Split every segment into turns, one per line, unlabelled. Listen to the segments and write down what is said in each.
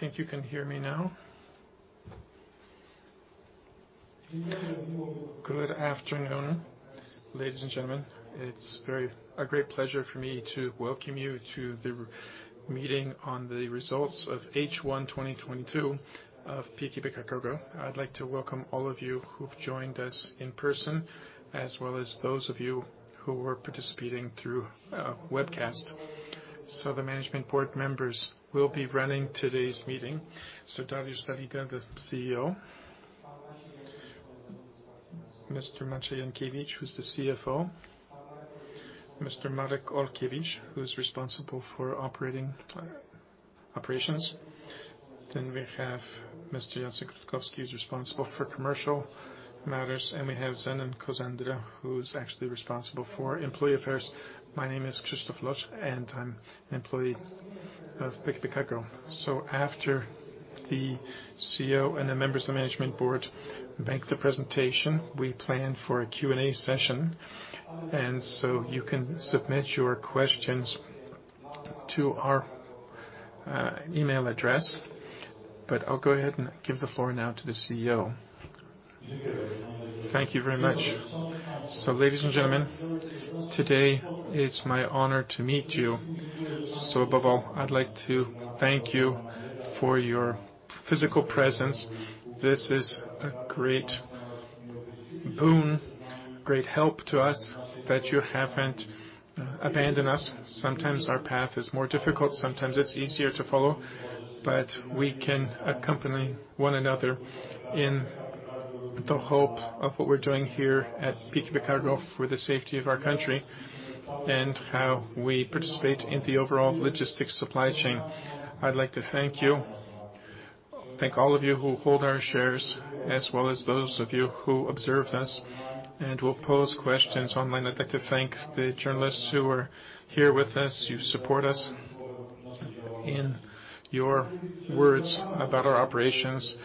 I think you can hear me now. Good afternoon, ladies and gentlemen. It's a great pleasure for me to welcome you to the meeting on the results of H1 2022 of PKP Cargo. I'd like to welcome all of you who've joined us in person, as well as those of you who are participating through webcast. The management board members will be running today's meeting. Dariusz Seliga, the CEO. Mr. Maciej Jankiewicz, who's the CFO. Mr. Marek Olkiewicz, who is responsible for operating operations. We have Mr. Jacek Rutkowski, who's responsible for commercial matters. We have Zenon Kozendra, who's actually responsible for employee affairs. My name is Krzysztof Łoś and I'm an employee of PKP Cargo. After the CEO and the members of the management board make the presentation, we plan for a Q&A session. You can submit your questions to our email address, but I'll go ahead and give the floor now to the CEO.
Thank you very much. Ladies and gentlemen, today it's my honor to meet you. Above all, I'd like to thank you for your physical presence. This is a great boon, great help to us that you haven't abandoned us. Sometimes our path is more difficult, sometimes it's easier to follow, but we can accompany one another in the hope of what we're doing here at PKP Cargo for the safety of our country and how we participate in the overall logistics supply chain. I'd like to thank you. Thank all of you who hold our shares, as well as those of you who observe us and will pose questions online. I'd like to thank the journalists who are here with us. You support us in your words about our operations.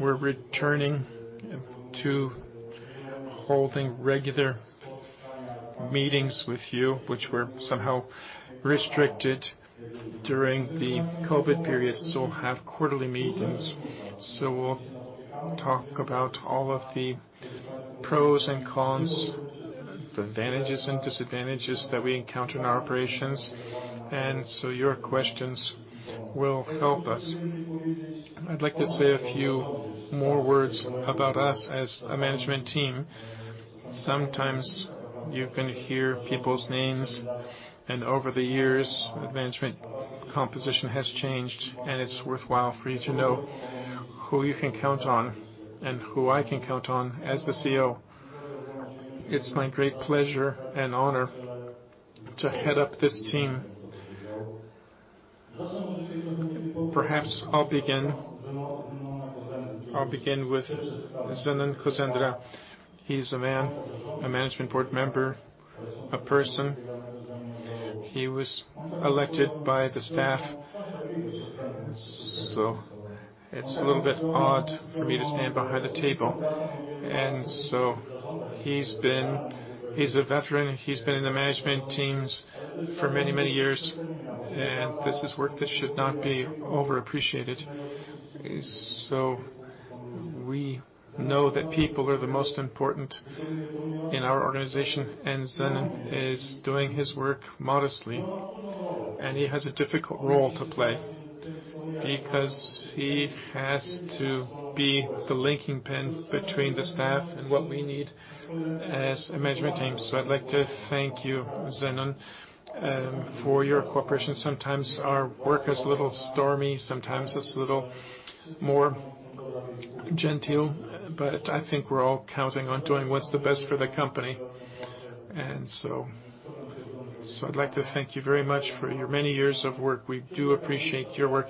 We're returning to holding regular meetings with you, which were somehow restricted during the COVID period, so we'll have quarterly meetings. We'll talk about all of the pros and cons, the advantages and disadvantages that we encounter in our operations. Your questions will help us. I'd like to say a few more words about us as a management team. Sometimes you can hear people's names, and over the years, the management composition has changed, and it's worthwhile for you to know who you can count on and who I can count on as the CEO. It's my great pleasure and honor to head up this team. Perhaps I'll begin with Zenon Kozendra. He's a man, a management board member, a person. He was elected by the staff, so it's a little bit odd for me to stand behind the table. He's a veteran. He's been in the management teams for many, many years, and this is work that should not be over appreciated. We know that people are the most important in our organization, and Zenon is doing his work modestly. He has a difficult role to play because he has to be the linking pin between the staff and what we need as a management team. I'd like to thank you, Zenon, for your cooperation. Sometimes our work is a little stormy, sometimes it's a little more genteel, but I think we're all counting on doing what's the best for the company. I'd like to thank you very much for your many years of work. We do appreciate your work.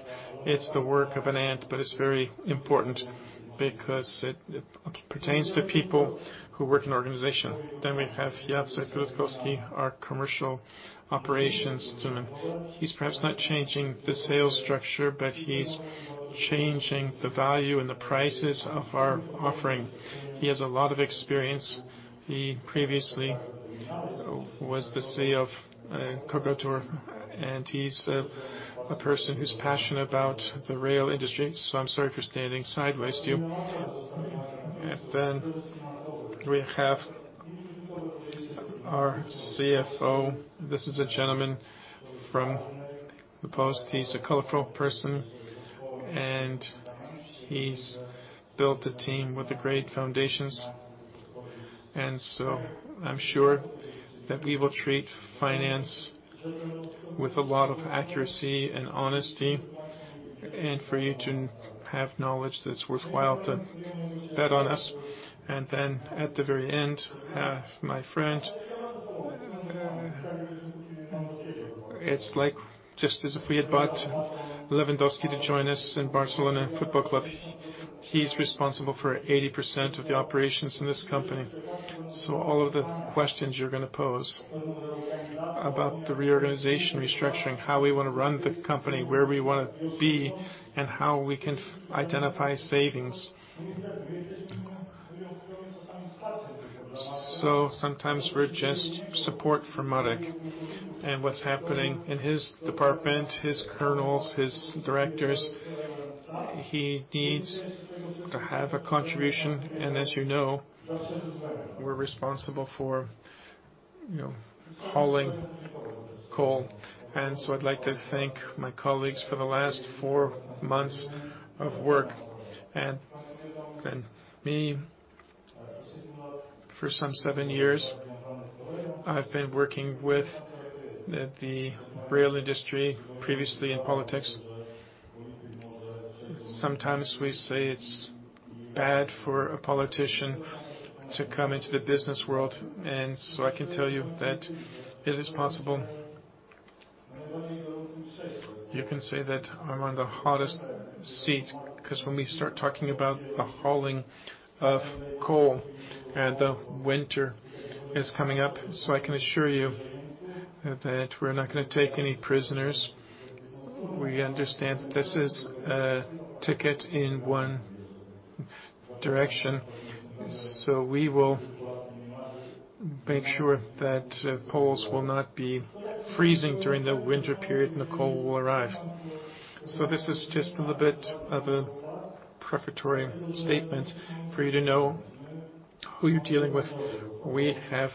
It's the work of an ant, but it's very important because it pertains to people who work in organization. We have Jacek Rutkowski, our commercial operations gentleman. He's perhaps not changing the sales structure, but he's changing the value and the prices of our offering. He has a lot of experience. He previously was the CEO of PKP CARGOTOR, and he's a person who's passionate about the rail industry. I'm sorry for standing sideways to you. We have our CFO. This is a gentleman from the post. He's a colorful person, and he's built a team with the great foundations. I'm sure that we will treat finance with a lot of accuracy and honesty and for you to have knowledge that's worthwhile to bet on us. At the very end, I have my friend. It's like, just as if we had bought Lewandowski to join us in Futbol Club Barcelona. He's responsible for 80% of the operations in this company. All of the questions you're gonna pose about the reorganization, restructuring, how we wanna run the company, where we wanna be, and how we can identify savings. Sometimes we're just support for Marek and what's happening in his department, his colonels, his directors. He needs to have a contribution. As you know, we're responsible for, you know, hauling coal. I'd like to thank my colleagues for the last 4 months of work. Then me, for some 7 years, I've been working with the rail industry, previously in politics. Sometimes we say it's bad for a politician to come into the business world, and so I can tell you that it is possible. You can say that I'm on the hottest seat, 'cause when we start talking about the hauling of coal, and the winter is coming up, so I can assure you that we're not gonna take any prisoners. We understand this is a ticket in one direction. We will make sure that Poles will not be freezing during the winter period, and the coal will arrive. This is just a little bit of a preparatory statement for you to know who you're dealing with. We have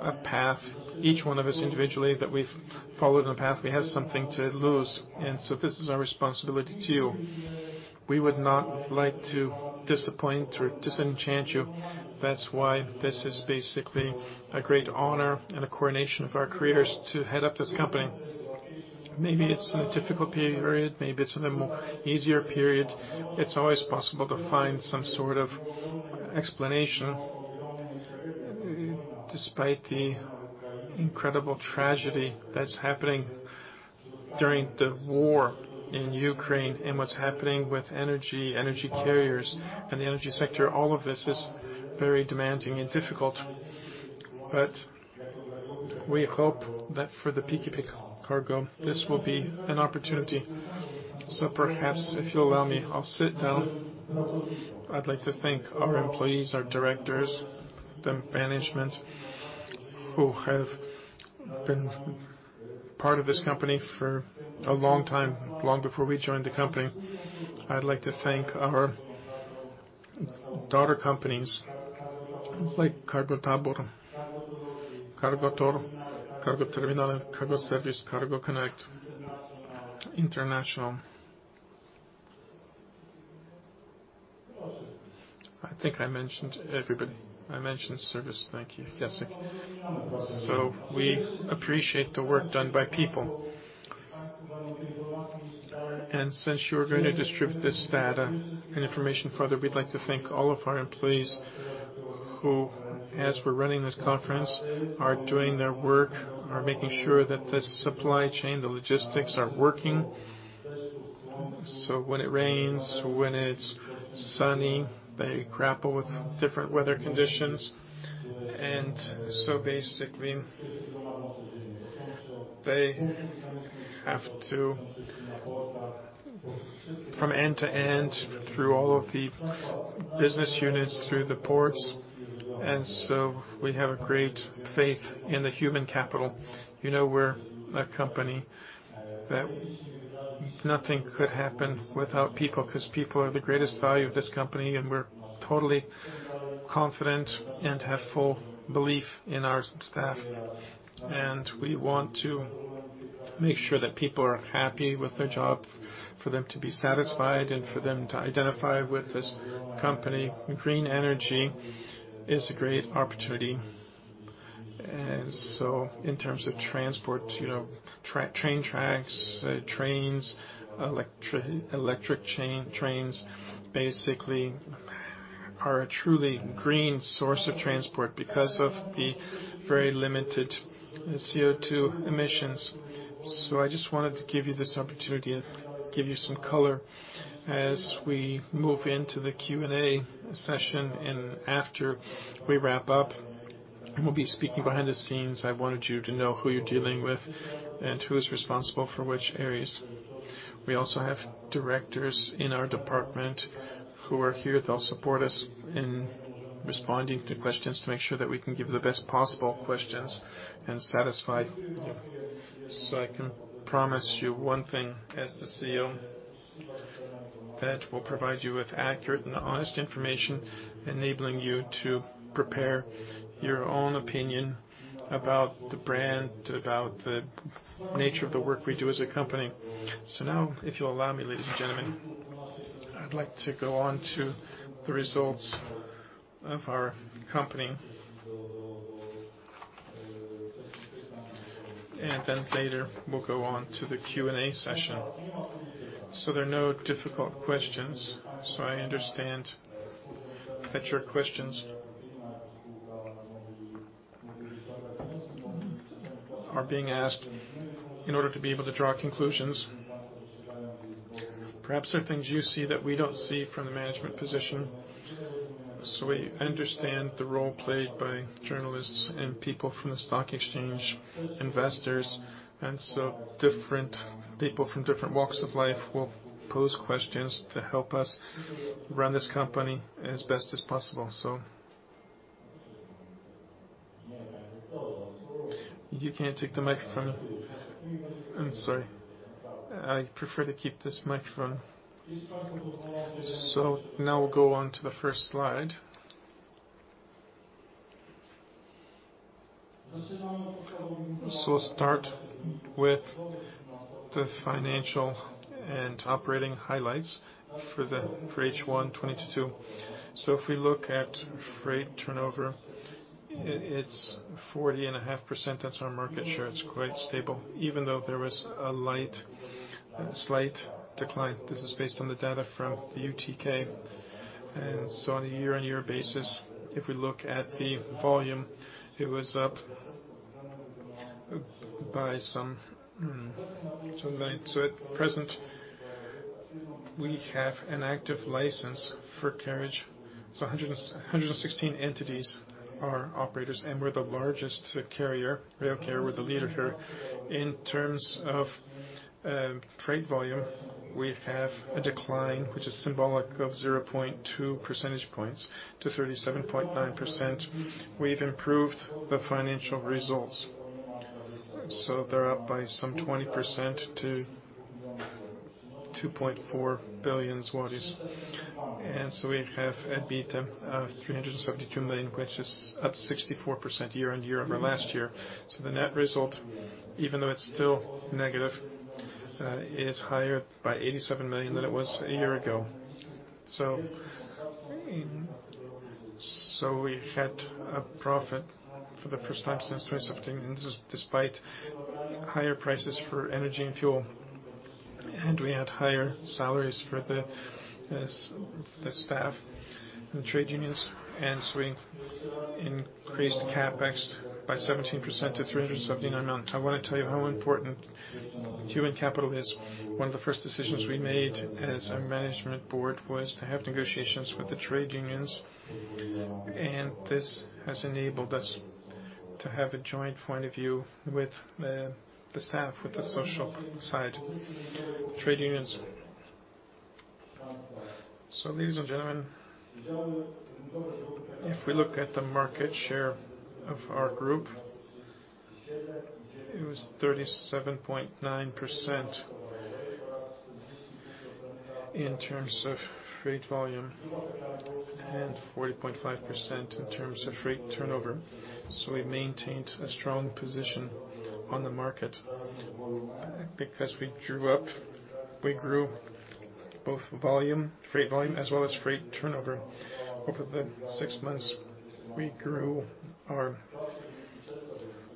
a path, each one of us individually, that we've followed in the path. We have something to lose, and so this is our responsibility to you. We would not like to disappoint or disenchant you. That's why this is basically a great honor and a coronation of our careers to head up this company. Maybe it's in a difficult period, maybe it's in a more easier period. It's always possible to find some sort of explanation. Despite the incredible tragedy that's happening during the war in Ukraine and what's happening with energy carriers, and the energy sector, all of this is very demanding and difficult. We hope that for the PKP Cargo, this will be an opportunity. Perhaps if you'll allow me, I'll sit down. I'd like to thank our employees, our directors, the management who have been part of this company for a long time, long before we joined the company. I'd like to thank our daughter companies like PKP CARGOTABOR, PKP CARGOTOR, PKP CARGO TERMINALE, PKP CARGO SERVICE, PKP CARGO CONNECT. I think I mentioned everybody. I mentioned service. Thank you, Jacek Rutkowski. We appreciate the work done by people. Since you're gonna distribute this data and information further, we'd like to thank all of our employees who, as we're running this conference, are doing their work, are making sure that the supply chain, the logistics are working. When it rains, when it's sunny, they grapple with different weather conditions. Basically, they have to, from end to end, through all of the business units, through the ports. We have a great faith in the human capital. You know, we're a company that nothing could happen without people, 'cause people are the greatest value of this company, and we're totally confident and have full belief in our staff. We want to make sure that people are happy with their job, for them to be satisfied, and for them to identify with this company. Green energy is a great opportunity. In terms of transport, you know, train tracks, trains, electric trains basically are a truly green source of transport because of the very limited CO2 emissions. I just wanted to give you this opportunity and give you some color as we move into the Q&A session and after we wrap up. We'll be speaking behind the scenes. I wanted you to know who you're dealing with and who is responsible for which areas. We also have directors in our department who are here. They'll support us in responding to questions to make sure that we can give the best possible questions and satisfy you. I can promise you one thing as the CEO, that we'll provide you with accurate and honest information, enabling you to prepare your own opinion about the brand, about the nature of the work we do as a company. Now, if you'll allow me, ladies and gentlemen, I'd like to go on to the results of our company. Later, we'll go on to the Q&A session. There are no difficult questions. I understand that your questions are being asked in order to be able to draw conclusions. Perhaps there are things you see that we don't see from the management position. We understand the role played by journalists and people from the stock exchange, investors, and so different people from different walks of life will pose questions to help us run this company as best as possible. You can take the microphone. I'm sorry. I prefer to keep this microphone. Now we'll go on to the first slide. I'll start with the financial and operating highlights for H1 2022. If we look at freight turnover, it's 40.5%. That's our market share. It's quite stable. Even though there was a slight decline. This is based on the data from the UTK. On a year-on-year basis, if we look at the volume, it was up by some 9%. At present, we have an active license for carriage. 116 entities are operators, and we're the largest carrier. We are carrier, we're the leader here. In terms of freight volume, we have a decline, which is symbolic of 0.2 percentage points to 37.9%. We've improved the financial results. They're up by some 20% to 2.4 billion zlotys. We have EBITDA of 372 million, which is up 64% year-on-year over last year. The net result, even though it's still negative, is higher by 87 million than it was a year ago. We've had a profit for the first time since 2017. This is despite higher prices for energy and fuel, and we had higher salaries for the staff and the trade unions. We increased CapEx by 17% to 379 million. I wanna tell you how important human capital is. One of the first decisions we made as a management board was to have negotiations with the trade unions, and this has enabled us to have a joint point of view with the staff, with the social side, trade unions. Ladies and gentlemen, if we look at the market share of our group, it was 37.9% in terms of freight volume and 40.5% in terms of freight turnover. We maintained a strong position on the market, because we grew both volume, freight volume as well as freight turnover. Over the six months, we grew our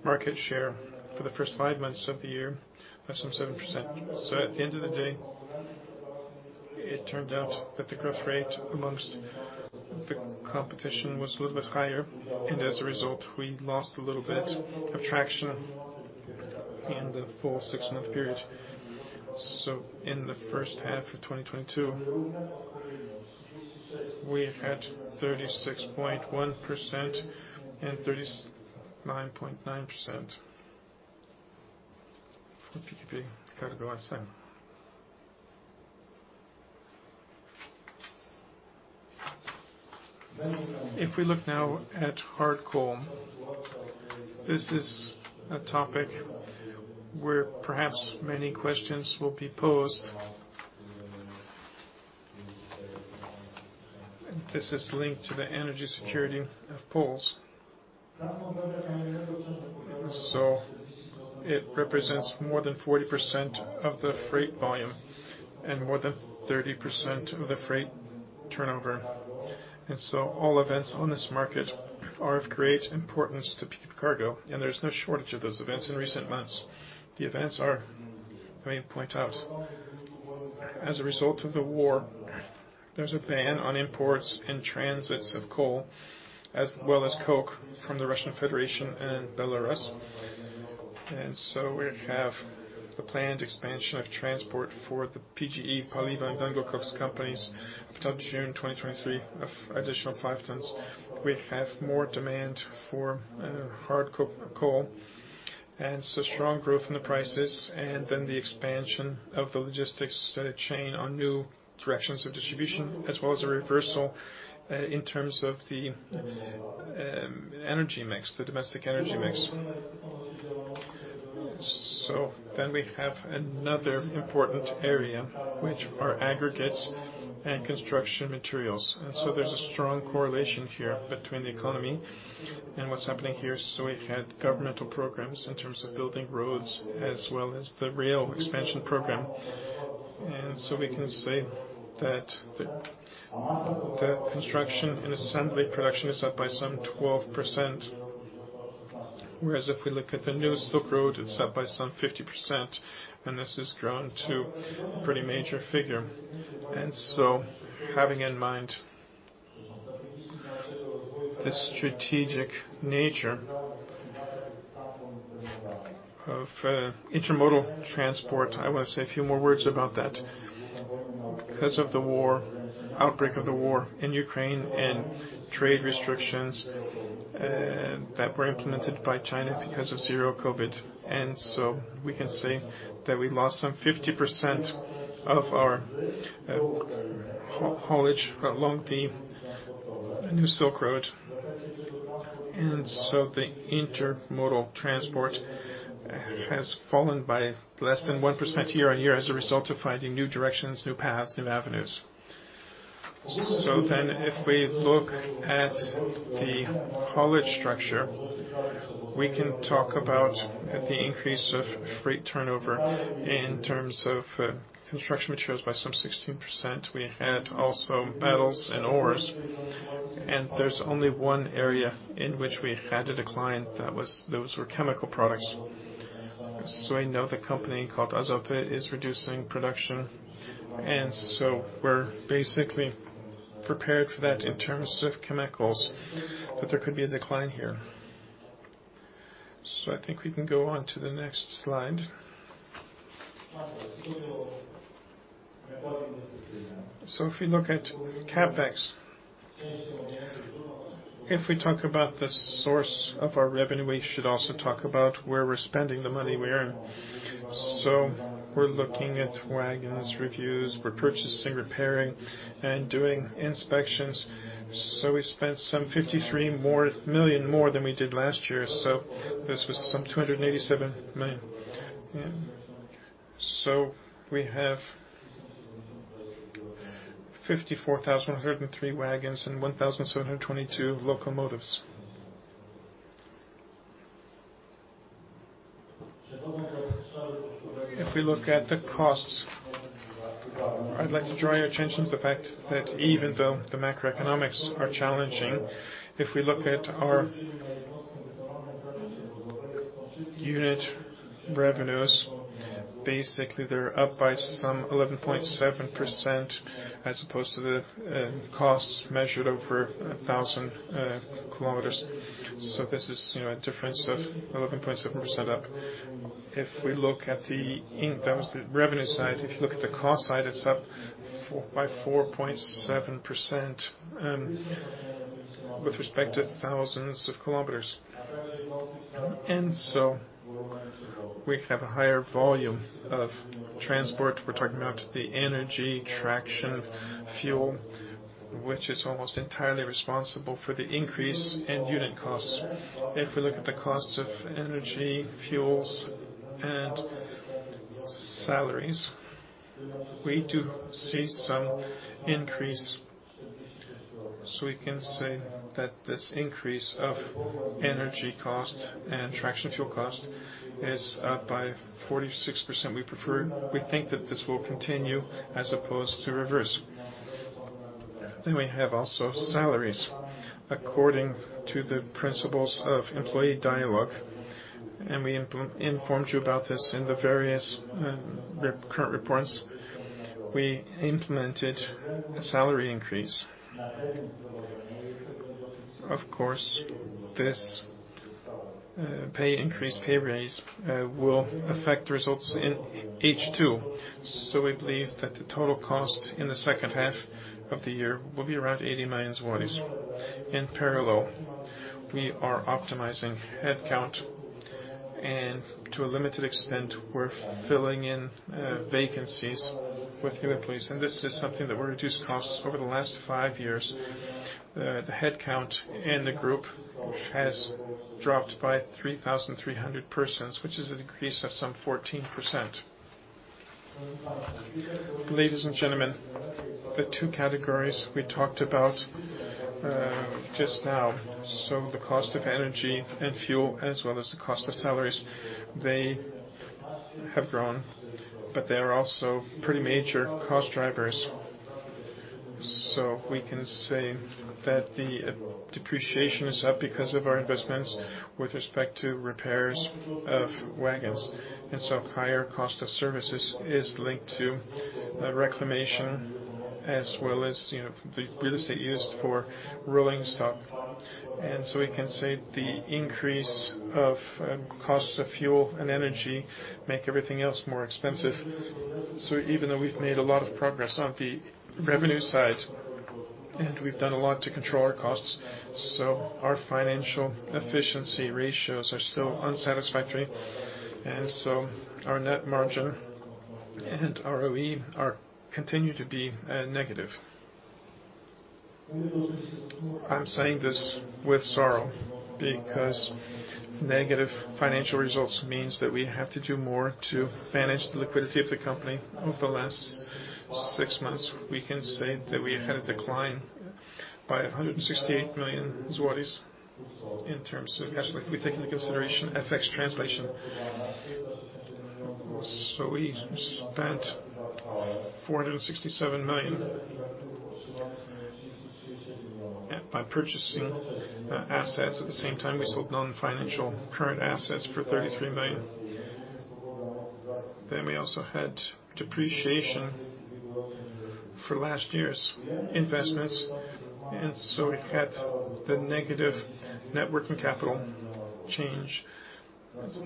market share for the first five months of the year by some 7%. At the end of the day, it turned out that the growth rate amongst the competition was a little bit higher, and as a result, we lost a little bit of traction in the full six-month period. In the first half of 2022, we had 36.1% and 39.9% for PKP Cargo last time. If we look now at hard coal, this is a topic where perhaps many questions will be posed. This is linked to the energy security of Poles. It represents more than 40% of the freight volume and more than 30% of the freight turnover. All events on this market are of great importance to PKP Cargo, and there's no shortage of those events in recent months. The events are. Let me point out. As a result of the war, there's a ban on imports and transits of coal as well as coke from the Russian Federation and Belarus. We have the planned expansion of transport for the PGE Paliwa and Węglokoks companies up till June 2023 of additional 5 tons. We have more demand for hard coal and so strong growth in the prices, and then the expansion of the logistics chain on new directions of distribution as well as a reversal in terms of the energy mix, the domestic energy mix. We have another important area which are aggregates and construction materials. There's a strong correlation here between the economy and what's happening here. We've had governmental programs in terms of building roads as well as the rail expansion program. We can say that the construction and assembly production is up by some 12%, whereas if we look at the New Silk Road, it's up by some 50%, and this has grown to a pretty major figure. Having in mind the strategic nature of intermodal transport, I want to say a few more words about that. Because of the outbreak of the war in Ukraine and trade restrictions that were implemented by China because of zero-COVID, we can say that we lost some 50% of our co-haulage along the New Silk Road. The intermodal transport has fallen by less than 1% year-on-year as a result of finding new directions, new paths, new avenues. If we look at the haulage structure, we can talk about the increase of freight turnover in terms of construction materials by some 16%. We had also metals and ores. There's only one area in which we had a decline, that was chemical products. I know the company called Grupa Azoty is reducing production. We're basically prepared for that in terms of chemicals, but there could be a decline here. I think we can go on to the next slide. If we look at CapEx, if we talk about the source of our revenue, we should also talk about where we're spending the money we earn. We're looking at wagon repairs. We're purchasing, repairing, and doing inspections. We spent some 53 million more than we did last year. This was some 287 million. We have 54,103 wagons and 1,722 locomotives. If we look at the costs, I'd like to draw your attention to the fact that even though the macroeconomics are challenging, if we look at our unit revenues, basically, they're up by some 11.7% as opposed to the costs measured over 1,000 kilometers. This is, you know, a difference of 11.7% up. That was the revenue side. If you look at the cost side, it's up by 4.7% with respect to thousands of kilometers. We have a higher volume of transport. We're talking about the energy, traction, fuel, which is almost entirely responsible for the increase in unit costs. If we look at the costs of energy, fuels, and salaries, we do see some increase. We can say that this increase of energy cost and traction fuel cost is up by 46%. We prefer, we think that this will continue as opposed to reverse. We have also salaries according to the principles of employee dialogue, and we informed you about this in the various current reports. We implemented a salary increase. Of course, this pay increase, pay raise will affect the results in H2. We believe that the total cost in the second half of the year will be around 80 million zlotys. In parallel, we are optimizing headcount and to a limited extent, we're filling in vacancies with new employees, and this is something that will reduce costs. Over the last five years, the headcount in the group has dropped by 3,300 persons, which is a decrease of some 14%. Ladies and gentlemen, the two categories we talked about just now. The cost of energy and fuel as well as the cost of salaries, they have grown, but they are also pretty major cost drivers. We can say that the depreciation is up because of our investments with respect to repairs of wagons, and higher cost of services is linked to reclamation as well as you know, the real estate used for rolling stock. We can say the increase of costs of fuel and energy make everything else more expensive. Even though we've made a lot of progress on the revenue side, and we've done a lot to control our costs, our financial efficiency ratios are still unsatisfactory, and so our net margin and ROE are continue to be negative. I'm saying this with sorrow because negative financial results means that we have to do more to manage the liquidity of the company. Over the last six months, we can say that we had a decline by 168 million in terms of cash flow if we take into consideration FX translation. We spent 467 million by purchasing assets. At the same time, we sold non-financial current assets for 33 million. We also had depreciation for last year's investments, and so we had the negative net working capital change. As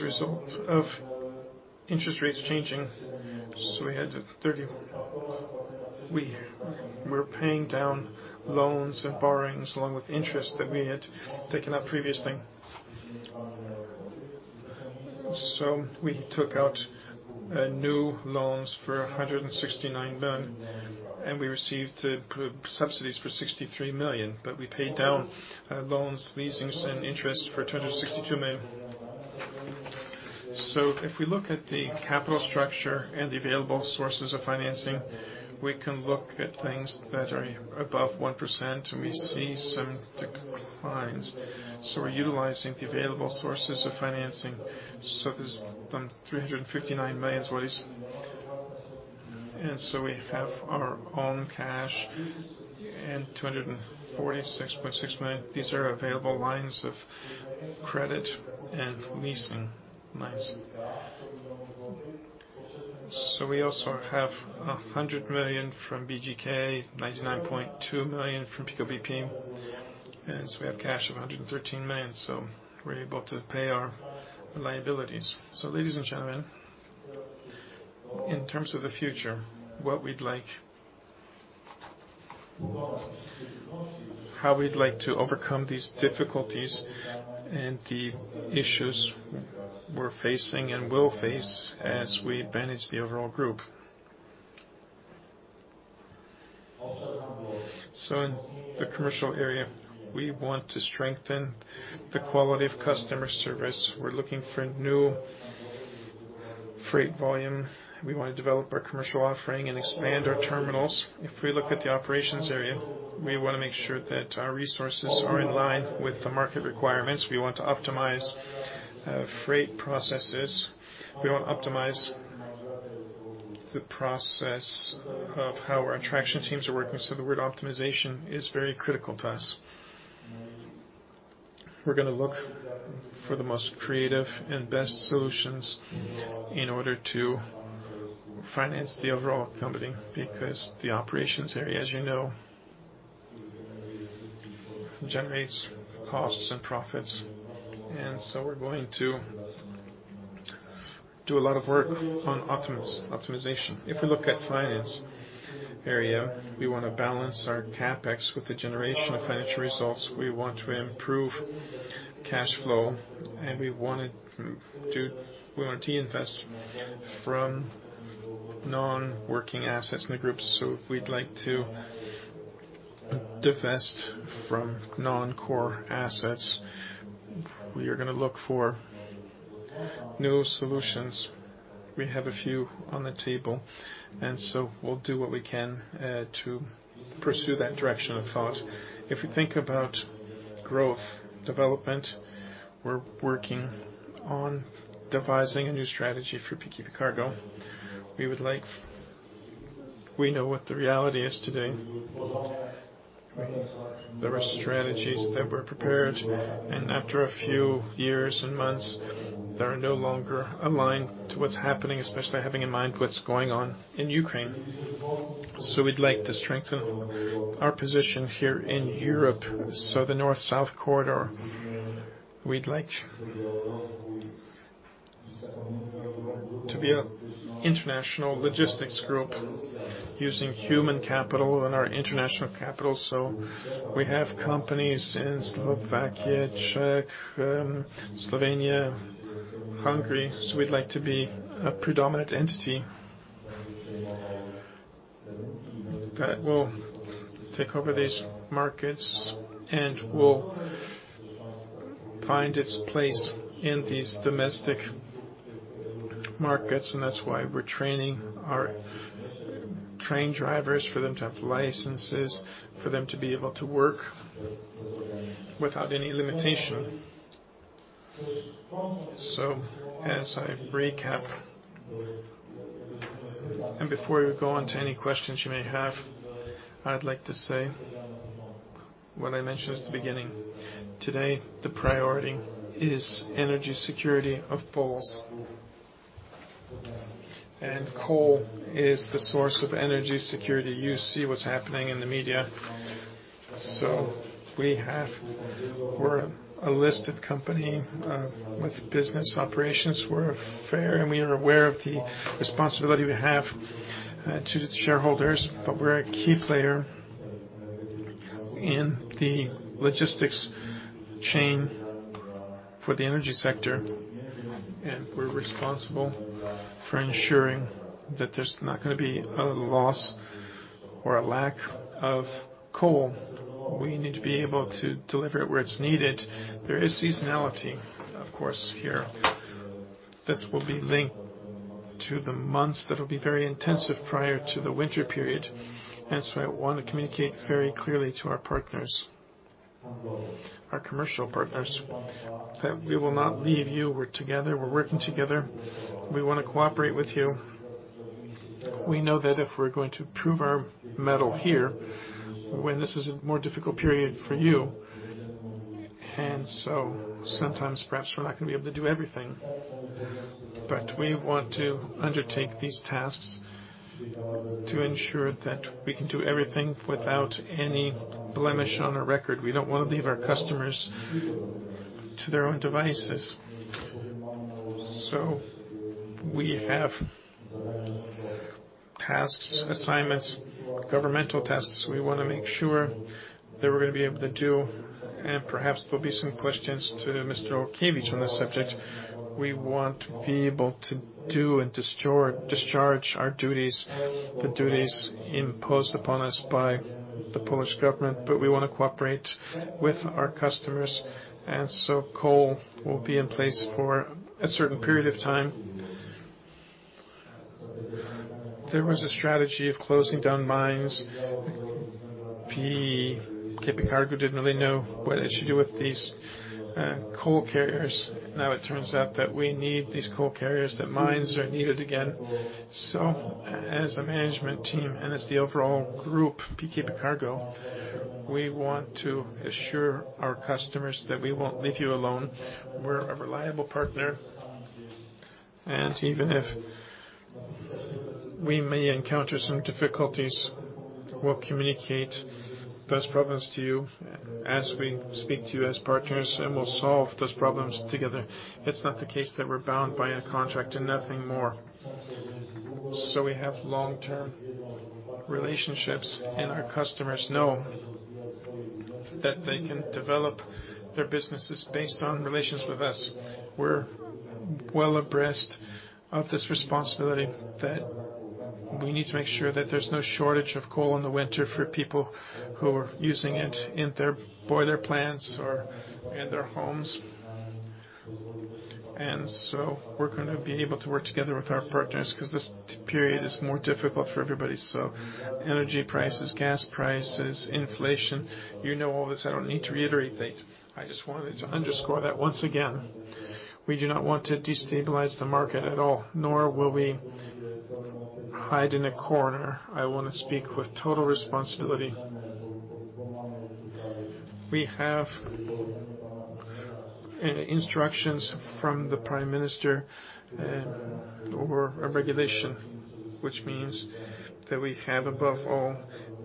a result of interest rates changing, we had thirty. We're paying down loans and borrowings along with interest that we had taken up previously. We took out new loans for 169 million, and we received subsidies for 63 million, but we paid down loans, leasings, and interest for 262 million. If we look at the capital structure and the available sources of financing, we can look at things that are above 1%, and we see some declines. We're utilizing the available sources of financing. There's PLN 359 million. We have our own cash and 246.6 million. These are available lines of credit and leasing lines. We also have 100 million from BGK, 99.2 million from PKO BP. We have cash of 113 million. We're able to pay our liabilities. Ladies and gentlemen, in terms of the future, what we'd like. How we'd like to overcome these difficulties and the issues we're facing and will face as we manage the overall group. In the commercial area, we want to strengthen the quality of customer service. We're looking for new freight volume. We wanna develop our commercial offering and expand our terminals. If we look at the operations area, we wanna make sure that our resources are in line with the market requirements. We want to optimize freight processes. We want to optimize the process of how our traction teams are working. The word optimization is very critical to us. We're gonna look for the most creative and best solutions in order to finance the overall company, because the operations area, as you know, generates costs and profits. We're going to do a lot of work on optimization. If we look at finance area, we wanna balance our CapEx with the generation of financial results. We want to improve cash flow, and we wanna reinvest from non-working assets in the group. We'd like to divest from non-core assets. We are gonna look for new solutions. We have a few on the table, and we'll do what we can to pursue that direction of thought. If you think about growth development, we're working on devising a new strategy for PKP Cargo. We would like. We know what the reality is today. There are strategies that we're prepared, and after a few years and months, they are no longer aligned to what's happening, especially having in mind what's going on in Ukraine. We'd like to strengthen our position here in Europe. The North-South Corridor, we'd like to be an international logistics group using human capital and our international capital. We have companies in Slovakia, Czech, Slovenia, Hungary. We'd like to be a predominant entity. That will take over these markets and will find its place in these domestic markets, and that's why we're training our train drivers for them to have licenses, for them to be able to work without any limitation. As I recap, and before you go on to any questions you may have, I'd like to say what I mentioned at the beginning. Today, the priority is energy security of Poles. Coal is the source of energy security. You see what's happening in the media. We have a listed company with business operations. We're fair, and we are aware of the responsibility we have to the shareholders, but we're a key player in the logistics chain for the energy sector, and we're responsible for ensuring that there's not gonna be a loss or a lack of coal. We need to be able to deliver it where it's needed. There is seasonality, of course, here. This will be linked to the months that will be very intensive prior to the winter period. I wanna communicate very clearly to our partners, our commercial partners, that we will not leave you. We're together. We're working together. We wanna cooperate with you. We know that if we're going to prove our mettle here when this is a more difficult period for you. Sometimes, perhaps we're not gonna be able to do everything. We want to undertake these tasks to ensure that we can do everything without any blemish on our record. We don't wanna leave our customers to their own devices. We have tasks, assignments, governmental tasks. We wanna make sure that we're gonna be able to do, and perhaps there'll be some questions to Mr. Olkiewicz on this subject. We want to be able to do and discharge our duties, the duties imposed upon us by the Polish government. We wanna cooperate with our customers. Coal will be in place for a certain period of time. There was a strategy of closing down mines.
PKP Cargo didn't really know what it should do with these, coal carriers. Now, it turns out that we need these coal carriers, the mines are needed again. As a management team and as the overall group, PKP Cargo, we want to assure our customers that we won't leave you alone. We're a reliable partner, and even if we may encounter some difficulties, we'll communicate those problems to you as we speak to you as partners, and we'll solve those problems together. It's not the case that we're bound by a contract and nothing more. We have long-term relationships, and our customers know that they can develop their businesses based on relations with us.
We're well abreast of this responsibility that we need to make sure that there's no shortage of coal in the winter for people who are using it in their boiler plants or in their homes. We're gonna be able to work together with our partners 'cause this tough period is more difficult for everybody. Energy prices, gas prices, inflation, you know all this. I don't need to reiterate that. I just wanted to underscore that once again. We do not want to destabilize the market at all, nor will we hide in a corner. I wanna speak with total responsibility. We have instructions from the Prime Minister or a regulation, which means that we have, above all,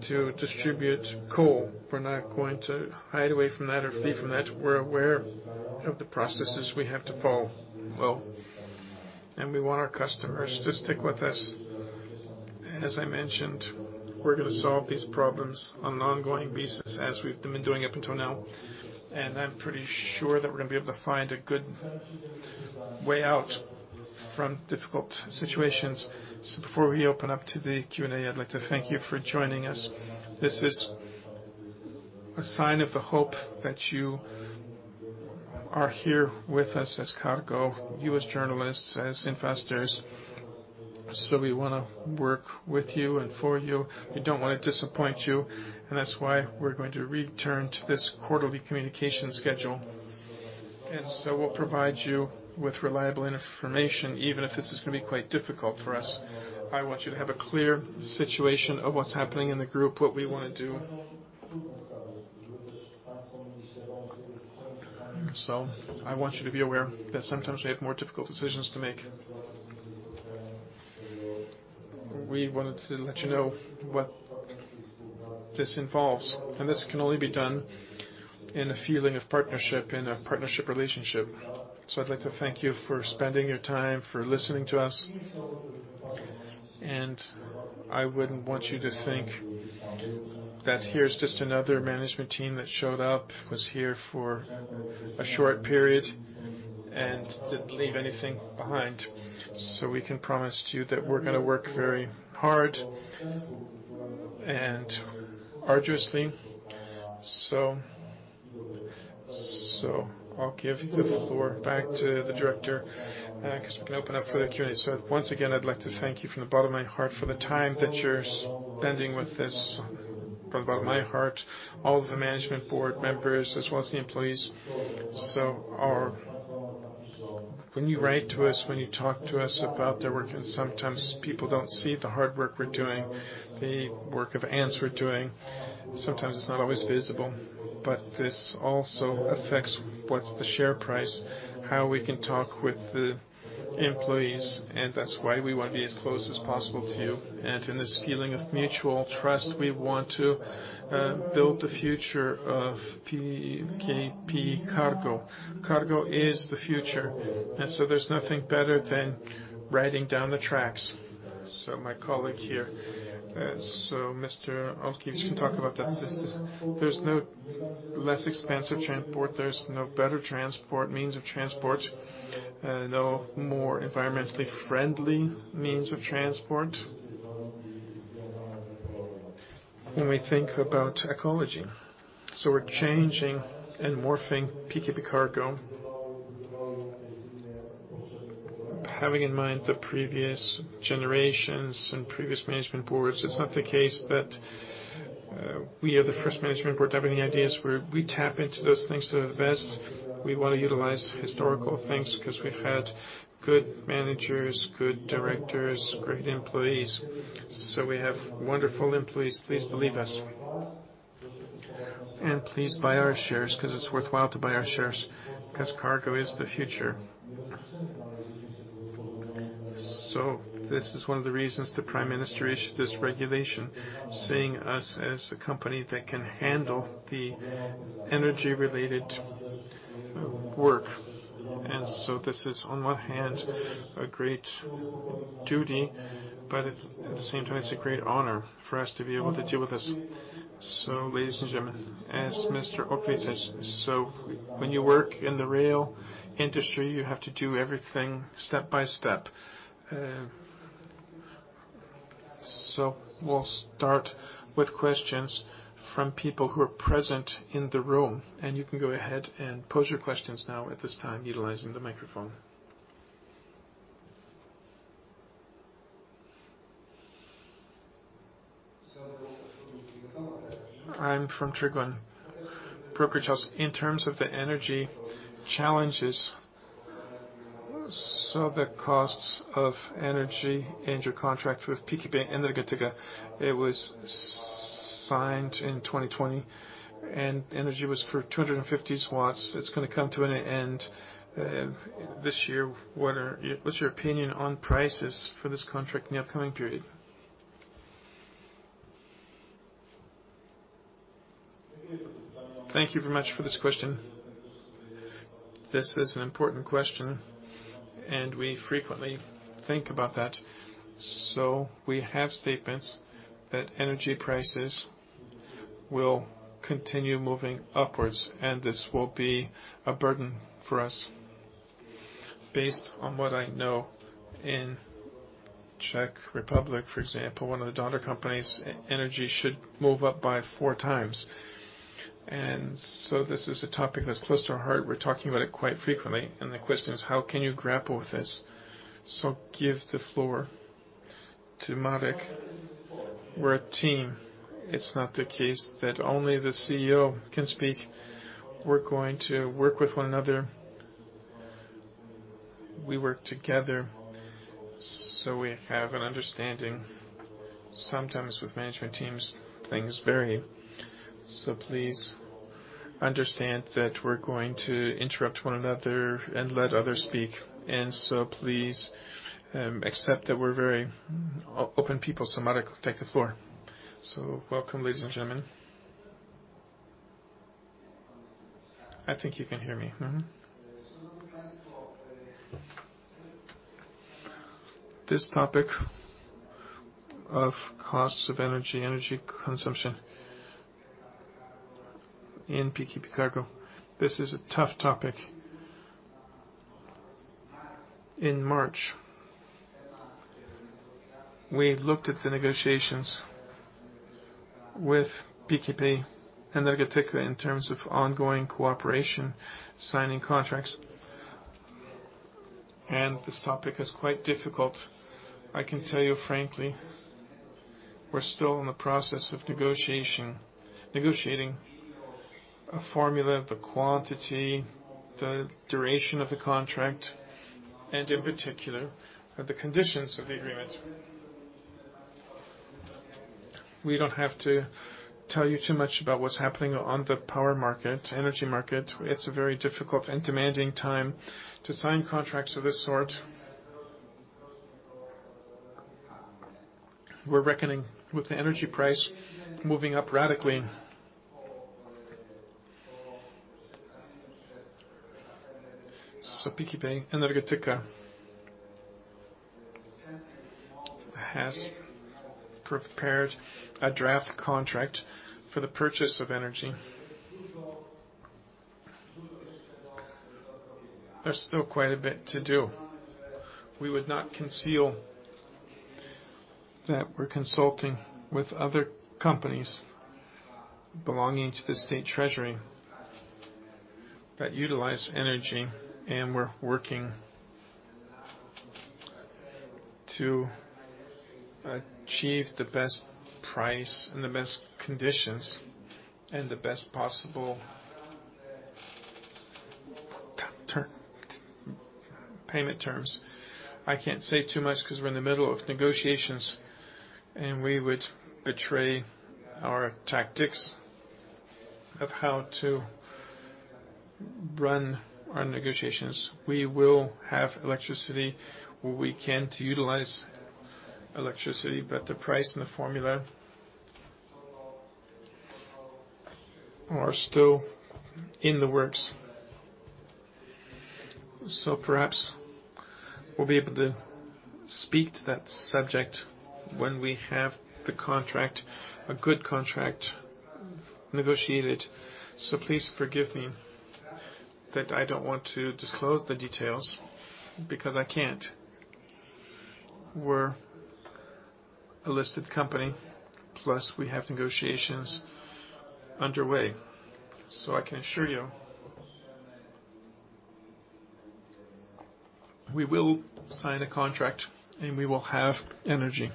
to distribute coal. We're not going to hide away from that or flee from that. We're aware of the processes we have to follow. Well, we want our customers to stick with us. As I mentioned, we're gonna solve these problems on an ongoing basis as we've been doing up until now, and I'm pretty sure that we're gonna be able to find a good way out from difficult situations. Before we open up to the Q&A, I'd like to thank you for joining us. This is a sign of the hope that you are here with us as PKP Cargo, you as journalists and as investors. We wanna work with you and for you. We don't wanna disappoint you, and that's why we're going to return to this quarterly communication schedule. We'll provide you with reliable information, even if this is gonna be quite difficult for us. I want you to have a clear situation of what's happening in the group, what we wanna do. I want you to be aware that sometimes we have more difficult decisions to make. We wanted to let you know what this involves, and this can only be done in a feeling of partnership, in a partnership relationship. I'd like to thank you for spending your time, for listening to us, and I wouldn't want you to think that here's just another management team that showed up, was here for a short period, and didn't leave anything behind. We can promise you that we're gonna work very hard and arduously. I'll give the floor back to the director, 'cause we can open up for the Q&A. Once again, I'd like to thank you from the bottom of my heart for the time that you're spending with this, from the bottom of my heart, all of the management board members, as well as the employees. When you write to us, when you talk to us about the work, and sometimes people don't see the hard work we're doing, the work of ants we're doing, sometimes it's not always visible. This also affects what's the share price, how we can talk with the employees, and that's why we want to be as close as possible to you. In this feeling of mutual trust, we want to build the future of PKP Cargo. Cargo is the future. There's nothing better than riding down the tracks. My colleague here, Mr. Olkiewicz can talk about that. There's no less expensive transport. There's no better transport, means of transport. No more environmentally friendly means of transport when we think about ecology. We're changing and morphing PKP Cargo, having in mind the previous generations and previous management boards. It's not the case that we are the first management board to have any ideas. We tap into those things that are best. We wanna utilize historical things 'cause we've had good managers, good directors, great employees. We have wonderful employees, please believe us. Please buy our shares, 'cause it's worthwhile to buy our shares, 'cause cargo is the future. This is one of the reasons the Prime Minister issued this regulation, seeing us as a company that can handle the energy-related work. This is, on one hand, a great duty, but at the same time, it's a great honor for us to be able to deal with this. Ladies and gentlemen, as Mr. Olkiewicz says, so when you work in the rail industry, you have to do everything step by step. We'll start with questions from people who are present in the room, and you can go ahead and pose your questions now at this time, utilizing the microphone.
I'm from Trigon Brokerage House. In terms of the energy challenges, so the costs of energy and your contract with PKP Energetyka, it was signed in 2020, and energy was for 250 megawatts. It's gonna come to an end this year. What's your opinion on prices for this contract in the upcoming period?
Thank you very much for this question. This is an important question, and we frequently think about that. We have statements that energy prices will continue moving upwards, and this will be a burden for us. Based on what I know, in Czech Republic, for example, one of the daughter companies, Energetyka should move up by four times. This is a topic that's close to our heart. We're talking about it quite frequently, and the question is, how can you grapple with this? Give the floor to Marek. We're a team. It's not the case that only the CEO can speak. We're going to work with one another. We work together, so we have an understanding. Sometimes with management teams, things vary. Please understand that we're going to interrupt one another and let others speak. Please, accept that we're very open people, so Marek will take the floor.
Welcome, ladies and gentlemen. I think you can hear me. This topic of costs of energy consumption in PKP Cargo, this is a tough topic. In March, we looked at the negotiations with PKP Energetyka in terms of ongoing cooperation, signing contracts, and this topic is quite difficult. I can tell you frankly, we're still in the process of negotiation, negotiating a formula, the quantity, the duration of the contract, and in particular, the conditions of the agreement. We don't have to tell you too much about what's happening on the power market, energy market. It's a very difficult and demanding time to sign contracts of this sort. We're reckoning with the energy price moving up radically. So PKP Energetyka has prepared a draft contract for the purchase of energy. There's still quite a bit to do. We would not conceal that we're consulting with other companies belonging to the state treasury that utilize energy, and we're working to achieve the best price and the best conditions and the best possible term, payment terms. I can't say too much 'cause we're in the middle of negotiations, and we would betray our tactics of how to run our negotiations. We will have electricity where we can to utilize electricity, but the price and the formula are still in the works. Perhaps we'll be able to speak to that subject when we have the contract, a good contract negotiated. Please forgive me that I don't want to disclose the details because I can't. We're a listed company, plus we have negotiations underway, so I can assure you we will sign a contract and we will have energy.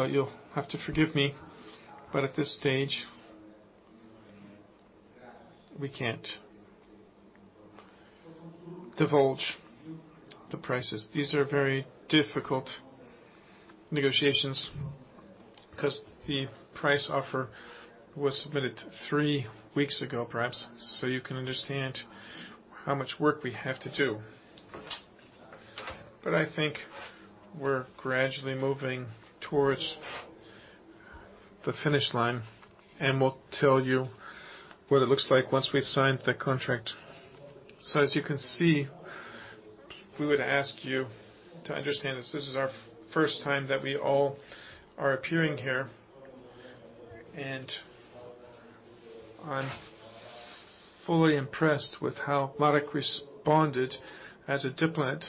You'll have to forgive me, but at this stage, we can't divulge the prices. These are very difficult negotiations 'cause the price offer was submitted three weeks ago, perhaps, so you can understand how much work we have to do. I think we're gradually moving towards the finish line, and we'll tell you what it looks like once we've signed the contract. As you can see, we would ask you to understand this. This is our first time that we all are appearing here, and I'm fully impressed with how Marek responded as a diplomat.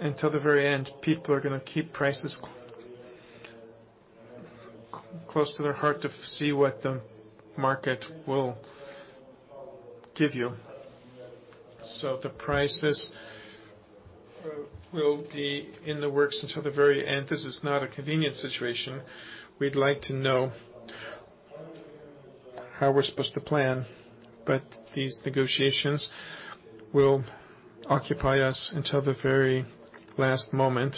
Until the very end, people are gonna keep prices close to their heart to see what the market will give you. The prices will be in the works until the very end. This is not a convenient situation.
We'd like to know how we're supposed to plan, but these negotiations will occupy us until the very last moment.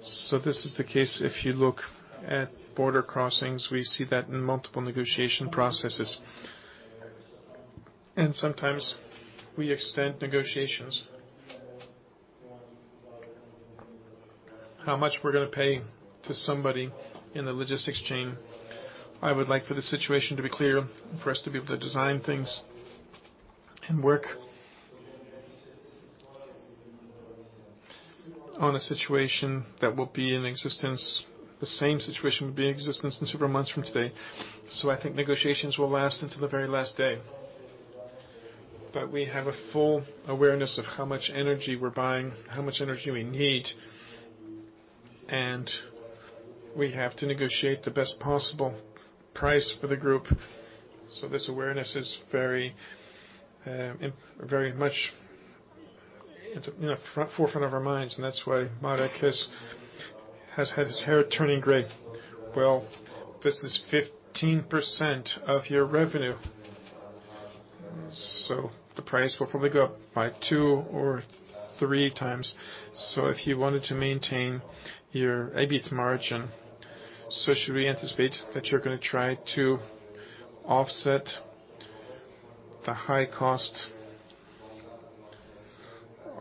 This is the case. If you look at border crossings, we see that in multiple negotiation processes. Sometimes we extend negotiations. How much we're gonna pay to somebody in the logistics chain. I would like for the situation to be clear for us to be able to design things and work on a situation that will be in existence. The same situation will be in existence in several months from today. I think negotiations will last until the very last day. We have a full awareness of how much energy we're buying, how much energy we need, and we have to negotiate the best possible price for the group. This awareness is very, very much in the forefront of our minds, and that's why Marek has had his hair turning gray. Well, this is 15% of your revenue, so the price will probably go up by two or three times. If you wanted to maintain your EBIT margin, should we anticipate that you're gonna try to offset the high cost?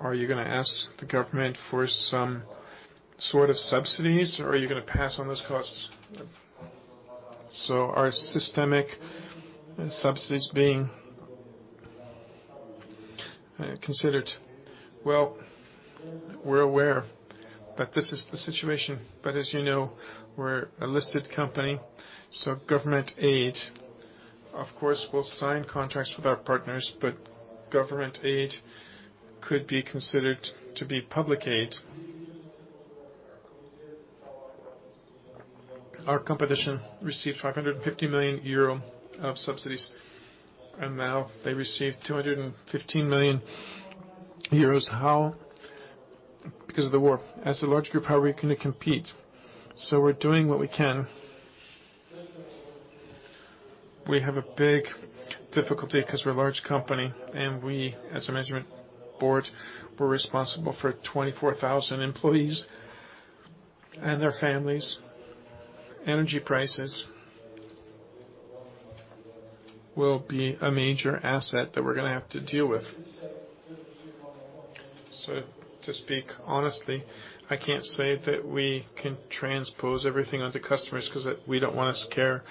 Are you gonna ask the government for some sort of subsidies, or are you gonna pass on those costs? Are systemic subsidies being considered? Well, we're aware that this is the situation, but as you know, we're a listed company, so government aid, of course, will sign contracts with our partners, but government aid could be considered to be public aid. Our competition received 550 million euro of subsidies, and now they received 215 million euros. How? Because of the war. As a large group, how are we gonna compete? We're doing what we can. We have a big difficulty 'cause we're a large company, and we, as a management board, we're responsible for 24,000 employees and their families. Energy prices will be a major asset that we're gonna have to deal with. To speak honestly, I can't say that we can transpose everything on to customers 'cause we don't wanna scare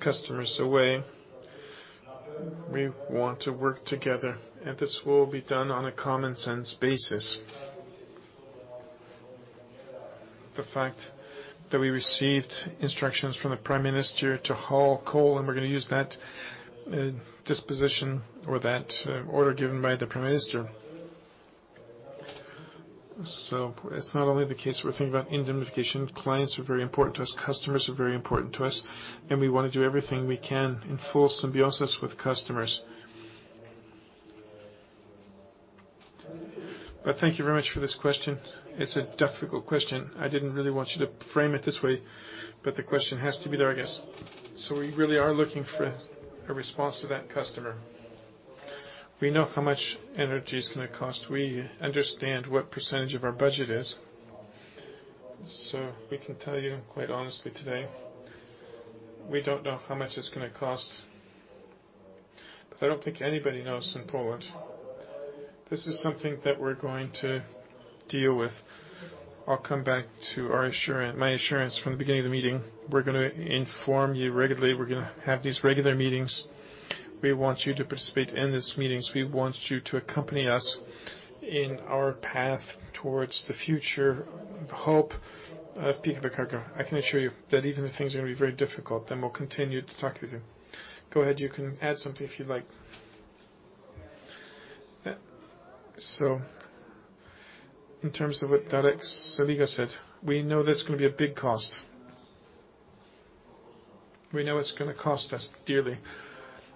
customers away. We want to work together, and this will be done on a common sense basis. The fact that we received instructions from the Prime Minister to haul coal, and we're gonna use that disposition or that order given by the Prime Minister. It's not only the case, we're thinking about indemnification. Clients are very important to us, customers are very important to us, and we wanna do everything we can in full symbiosis with customers. Thank you very much for this question. It's a difficult question. I didn't really want you to frame it this way, but the question has to be there, I guess. We really are looking for a response to that customer. We know how much energy is gonna cost. We understand what percentage of our budget is. We can tell you quite honestly today, we don't know how much it's gonna cost, but I don't think anybody knows in Poland. This is something that we're going to deal with. I'll come back to my assurance from the beginning of the meeting. We're gonna inform you regularly. We're gonna have these regular meetings. We want you to participate in these meetings. We want you to accompany us in our path towards the future hope of PKP Cargo. I can assure you that even if things are gonna be very difficult, then we'll continue to talk with you. Go ahead. You can add something if you'd like. Yeah. In terms of what Dariusz Seliga said, we know that's gonna be a big cost. We know it's gonna cost us dearly,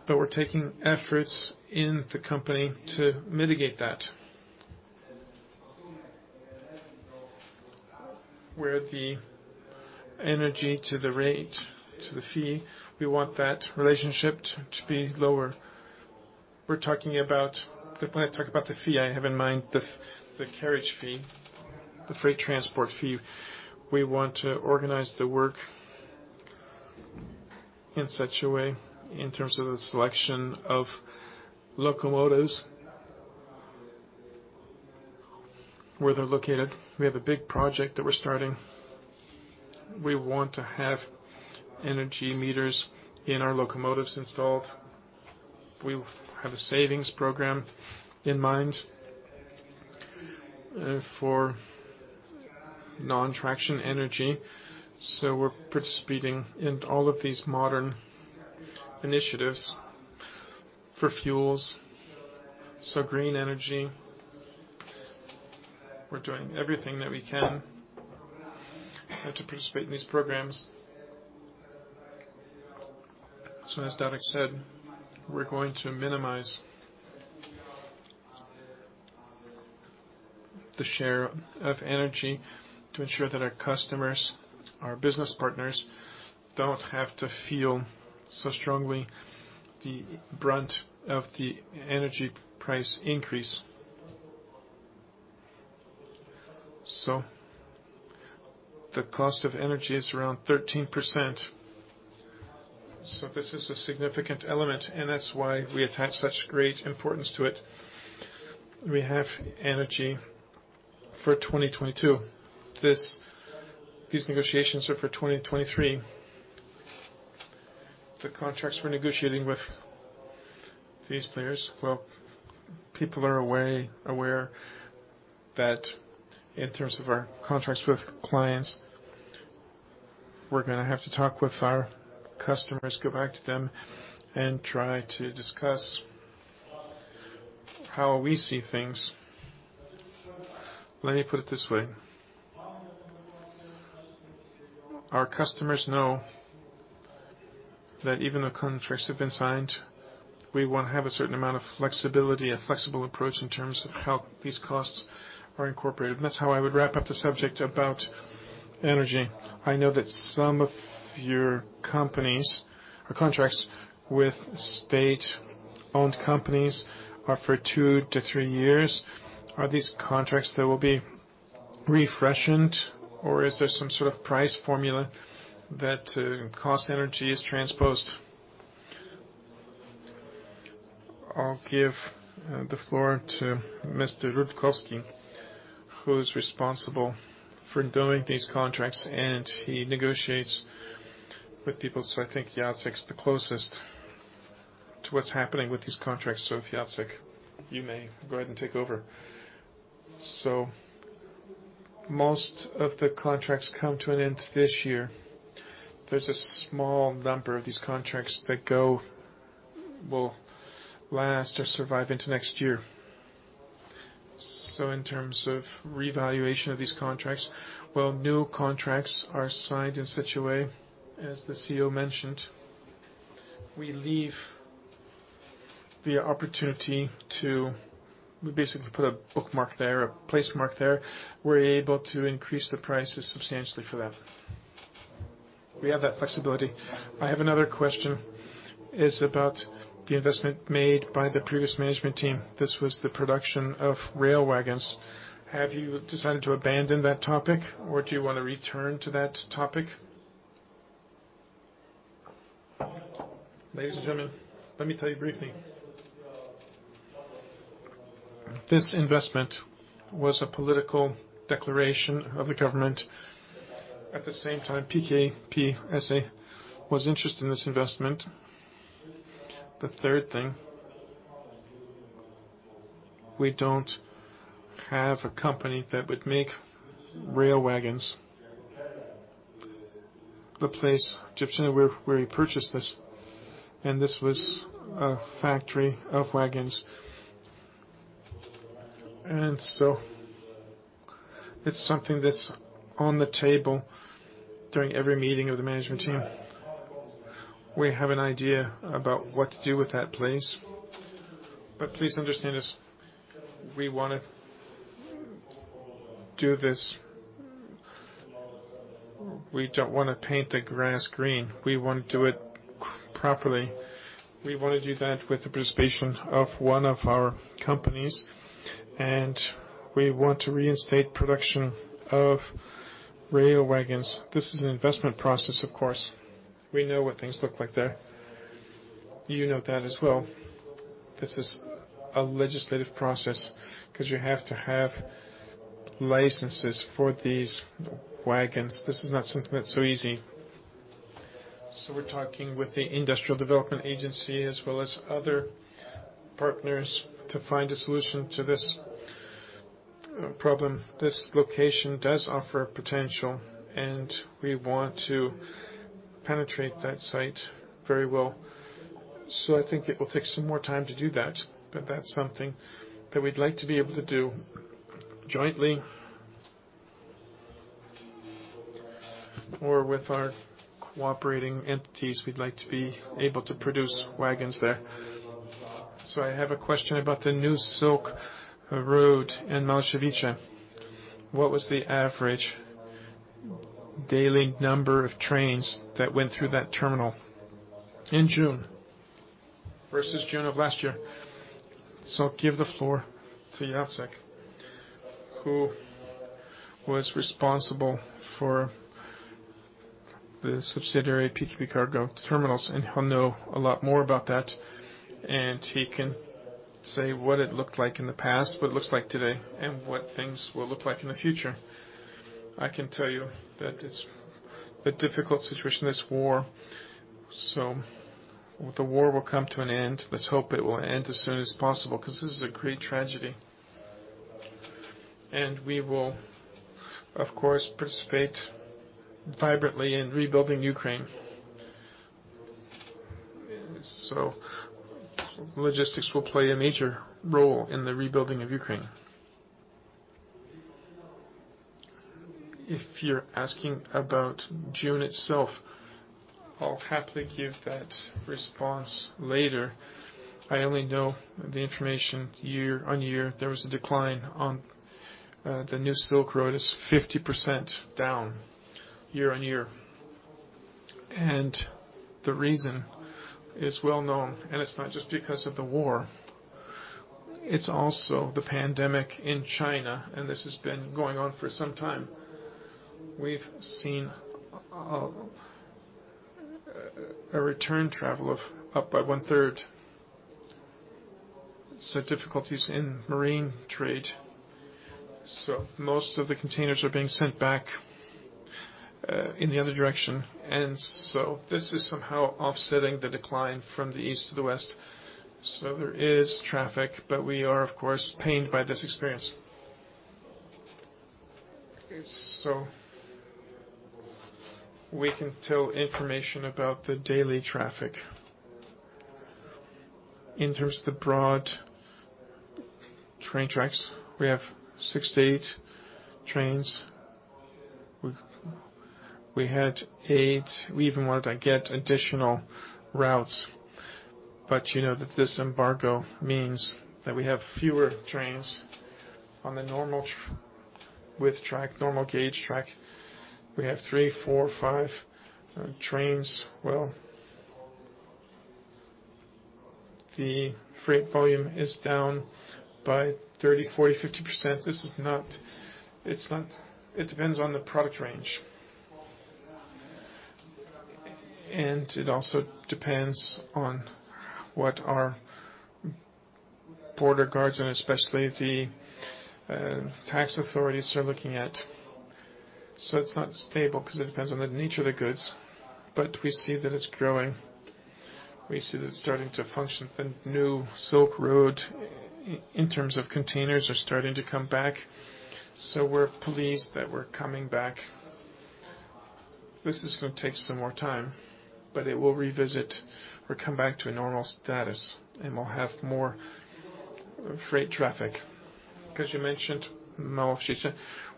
but we're taking efforts in the company to mitigate that. Where the energy to the rate, to the fee, we want that relationship to be lower. We're talking about when I talk about the fee, I have in mind the carriage fee, the freight transport fee. We want to organize the work in such a way in terms of the selection of locomotives, where they're located. We have a big project that we're starting. We want to have energy meters in our locomotives installed. We have a savings program in mind for non-traction energy. We're participating in all of these modern initiatives for fuels, so green energy. We're doing everything that we can to participate in these programs. As Dariusz said, we're going to minimize the share of energy to ensure that our customers, our business partners, don't have to feel so strongly the brunt of the energy price increase. The cost of energy is around 13%. This is a significant element, and that's why we attach such great importance to it. We have energy for 2022. These negotiations are for 2023. The contracts we're negotiating with these players, well, people are way aware that in terms of our contracts with clients, we're gonna have to talk with our customers, go back to them and try to discuss how we see things. Let me put it this way. Our customers know that even though contracts have been signed, we want to have a certain amount of flexibility, a flexible approach in terms of how these costs are incorporated. That's how I would wrap up the subject about energy. I know that some of your companies or contracts with state-owned companies are for two to three years. Are these contracts that will be refreshed or is there some sort of price formula that cost energy is transposed? I'll give the floor to Mr. Rutkowski, who is responsible for building these contracts, and he negotiates with people. I think Jacek is the closest to what's happening with these contracts. If, Jacek, you may go ahead and take over. Most of the contracts come to an end this year. There's a small number of these contracts that will last or survive into next year. In terms of revaluation of these contracts, well, new contracts are signed in such a way, as the CEO mentioned, we leave the opportunity to basically put a bookmark there, a placemark there. We're able to increase the prices substantially for them. We have that flexibility. I have another question. It's about the investment made by the previous management team. This was the production of rail wagons. Have you decided to abandon that topic or do you want to return to that topic? Ladies and gentlemen, let me tell you briefly.
This investment was a political declaration of the government. At the same time, PKP S.A. was interested in this investment. The third thing, we don't have a company that would make rail wagons. The place, Gniewczyna, where we purchased this, and this was a factory of wagons. It's something that's on the table during every meeting of the management team. We have an idea about what to do with that place. Please understand this, we want to do this. We don't want to paint the grass green. We want to do it properly. We want to do that with the participation of one of our companies, and we want to reinstate production of rail wagons. This is an investment process, of course. We know what things look like there. You know that as well.
This is a legislative process because you have to have licenses for these wagons. This is not something that's so easy. We're talking with the Industrial Development Agency as well as other partners to find a solution to this problem. This location does offer potential, and we want to penetrate that site very well. I think it will take some more time to do that, but that's something that we'd like to be able to do jointly or with our cooperating entities. We'd like to be able to produce wagons there. I have a question about the New Silk Road in Małaszewicze. What was the average daily number of trains that went through that terminal in June versus June of last year? I'll give the floor to Jacek, who was responsible for the subsidiary PKP Cargo Terminale, and he'll know a lot more about that.
He can say what it looked like in the past, what it looks like today, and what things will look like in the future. I can tell you that it's a difficult situation, this war. The war will come to an end. Let's hope it will end as soon as possible because this is a great tragedy. We will, of course, participate vibrantly in rebuilding Ukraine. Logistics will play a major role in the rebuilding of Ukraine. If you're asking about June itself, I'll happily give that response later. I only know the information year-over-year. There was a decline on the New Silk Road. The New Silk Road is 50% down year-over-year. The reason is well known, and it's not just because of the war, it's also the pandemic in China, and this has been going on for some time. We've seen a return traffic up by one-third. Difficulties in maritime trade. Most of the containers are being sent back in the other direction. This is somehow offsetting the decline from the East to the West. There is traffic, but we are, of course, pained by this experience. We can provide information about the daily traffic. In terms of the broad gauge tracks, we have 6-8 trains. We had 8. We even wanted to get additional routes, but you know that this embargo means that we have fewer trains. On the normal gauge track, we have 3, 4, 5 trains. The freight volume is down by 30, 40, 50%. It depends on the product range.
It also depends on what our border guards and especially the tax authorities are looking at. It's not stable 'cause it depends on the nature of the goods, but we see that it's growing. We see that it's starting to function. The New Silk Road in terms of containers are starting to come back. We're pleased that we're coming back. This is gonna take some more time, but it will revisit or come back to a normal status, and we'll have more freight traffic. 'Cause you mentioned Małaszewicze.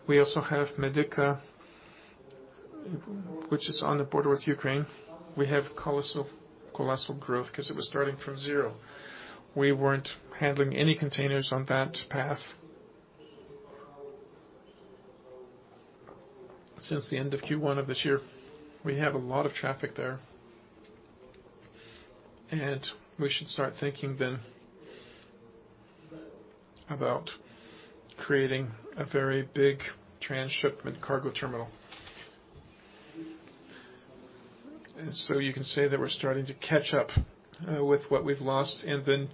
We also have Medyka, which is on the border with Ukraine. We have colossal growth 'cause it was starting from zero. We weren't handling any containers on that path. Since the end of Q1 of this year, we have a lot of traffic there. We should start thinking then about creating a very big transshipment cargo terminal. You can say that we're starting to catch up with what we've lost in the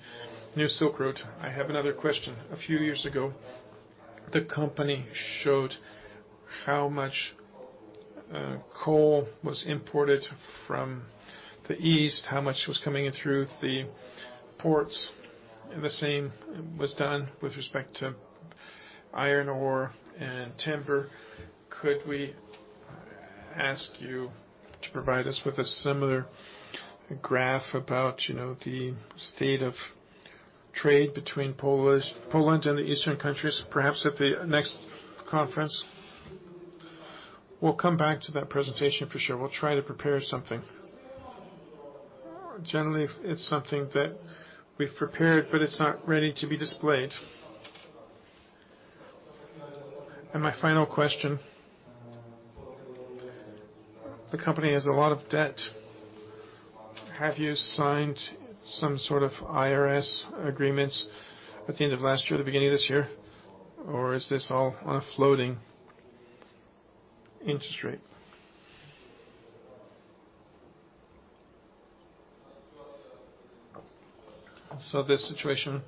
New Silk Road. I have another question. A few years ago, the company showed how much coal was imported from the East, how much was coming in through the ports, and the same was done with respect to iron ore and timber. Could we ask you to provide us with a similar graph about, you know, the state of trade between Poland and the Eastern countries, perhaps at the next conference? We'll come back to that presentation for sure. We'll try to prepare something. Generally, it's something that we've prepared, but it's not ready to be displayed. My final question. The company has a lot of debt.
Have you signed some sort of IRS agreements at the end of last year or the beginning of this year, or is this all on a floating interest rate? This situation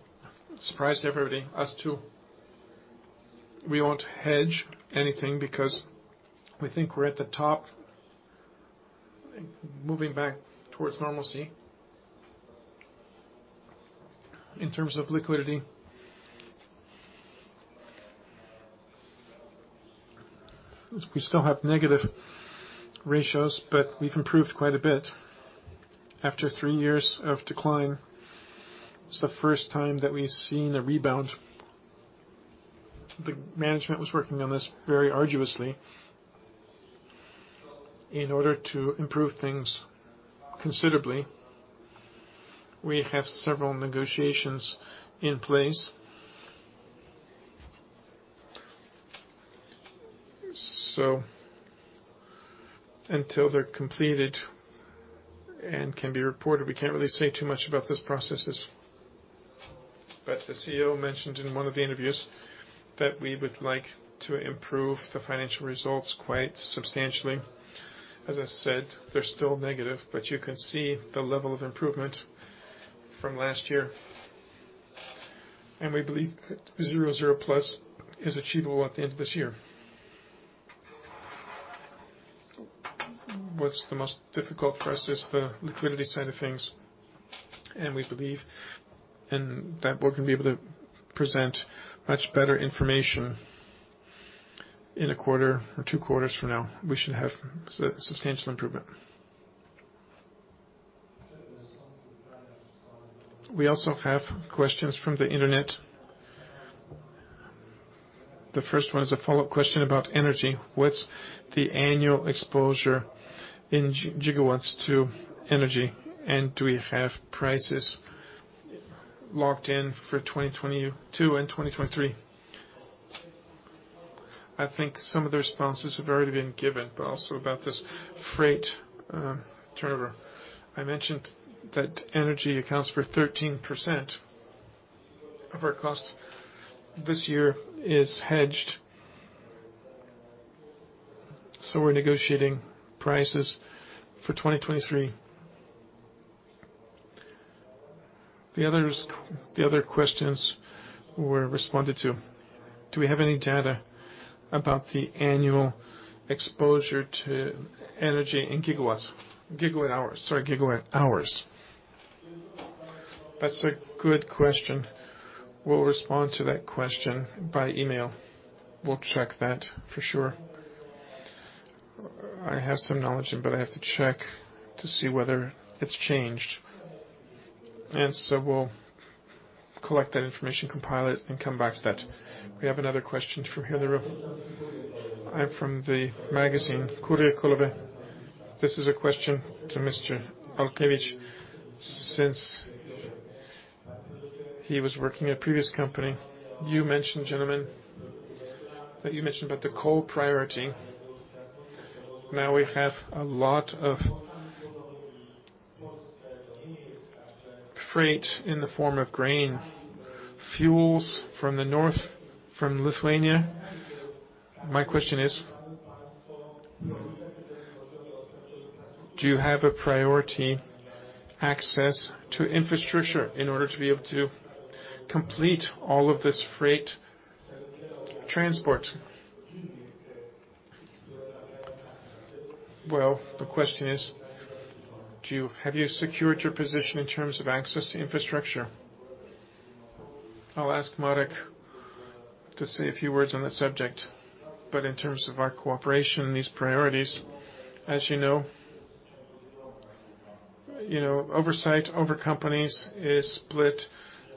surprised everybody, us too. We won't hedge anything because we think we're at the top, moving back towards normalcy. In terms of liquidity, we still have negative ratios, but we've improved quite a bit. After three years of decline, it's the first time that we've seen a rebound. The management was working on this very arduously in order to improve things considerably. We have several negotiations in place. Until they're completed and can be reported, we can't really say too much about those processes. The CEO mentioned in one of the interviews that we would like to improve the financial results quite substantially.
As I said, they're still negative, but you can see the level of improvement from last year. We believe that 0+ is achievable at the end of this year. What's the most difficult for us is the liquidity side of things, and we believe in that we're gonna be able to present much better information. In a quarter or two quarters from now, we should have substantial improvement. We also have questions from the internet. The first one is a follow-up question about energy. What's the annual exposure in gigawatts to energy? And do we have prices locked in for 2022 and 2023? I think some of the responses have already been given, but also about this freight turnover. I mentioned that energy accounts for 13% of our costs. This year is hedged. We're negotiating prices for 2023. The others, the other questions were responded to. Do we have any data about the annual exposure to energy in gigawatts? Gigawatt-hours. Sorry, gigawatt-hours. That's a good question. We'll respond to that question by email. We'll check that for sure. I have some knowledge, but I have to check to see whether it's changed. We'll collect that information, compile it, and come back to that. We have another question from here in the room. I'm from the magazine, Kurier Kolejowy. This is a question to Mr. Olkiewicz. Since he was working at previous company, you mentioned, gentlemen, that you mentioned about the coal priority. Now we have a lot of freight in the form of grain, fuels from the north, from Lithuania. My question is, do you have a priority access to infrastructure in order to be able to complete all of this freight transport?
Well, the question is, have you secured your position in terms of access to infrastructure? I'll ask Marek to say a few words on that subject, but in terms of our cooperation and these priorities, as you know, oversight over companies is split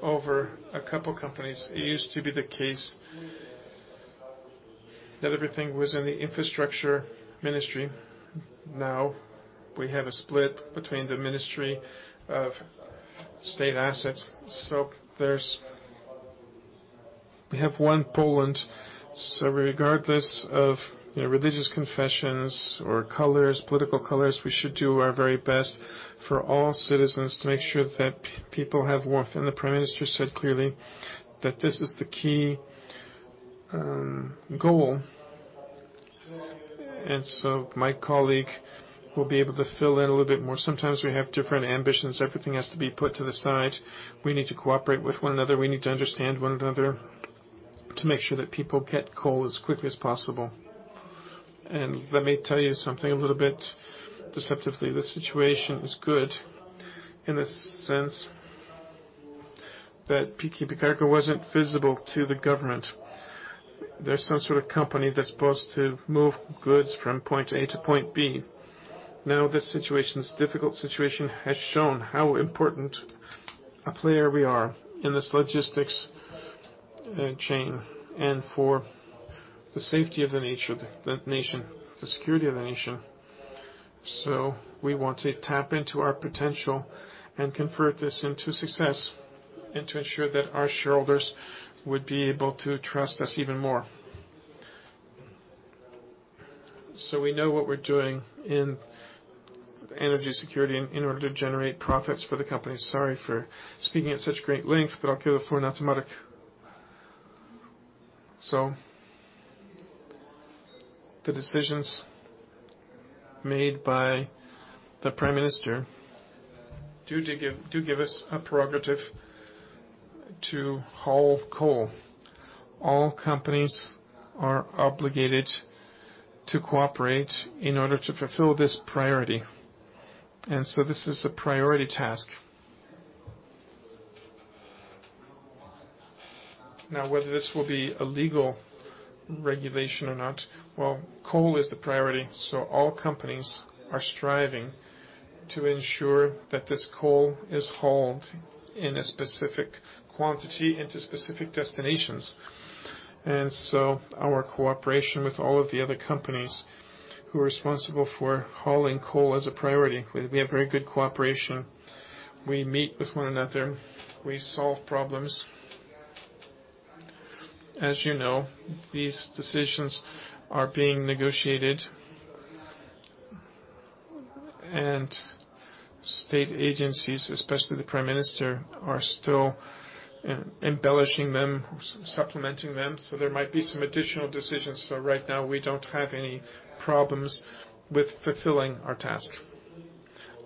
over a couple companies. It used to be the case that everything was in the infrastructure ministry. Now we have a split between the Ministry of State Assets. We have one Poland, so regardless of religious confessions or colors, political colors, we should do our very best for all citizens to make sure that people have warmth. The Prime Minister said clearly that this is the key goal. My colleague will be able to fill in a little bit more. Sometimes we have different ambitions. Everything has to be put to the side.
We need to cooperate with one another. We need to understand one another to make sure that people get coal as quickly as possible. Let me tell you something a little bit deceptively. The situation is good in the sense that PKP Cargo wasn't visible to the government. They're some sort of company that's supposed to move goods from point A to point B. Now, this situation, this difficult situation, has shown how important a player we are in this logistics chain and for the safety of the nation, the security of the nation. We want to tap into our potential and convert this into success and to ensure that our shareholders would be able to trust us even more. We know what we're doing in energy security in order to generate profits for the company. Sorry for speaking at such great length, but I'll give the floor now to Marek. The decisions made by the Prime Minister do give us a prerogative to haul coal. All companies are obligated to cooperate in order to fulfill this priority. This is a priority task. Now, whether this will be a legal regulation or not, well, coal is the priority, so all companies are striving to ensure that this coal is hauled in a specific quantity and to specific destinations. Our cooperation with all of the other companies who are responsible for hauling coal as a priority, we have very good cooperation. We meet with one another, we solve problems. As you know, these decisions are being negotiated. State agencies, especially the Prime Minister, are still embellishing them, supplementing them. There might be some additional decisions. Right now, we don't have any problems with fulfilling our task.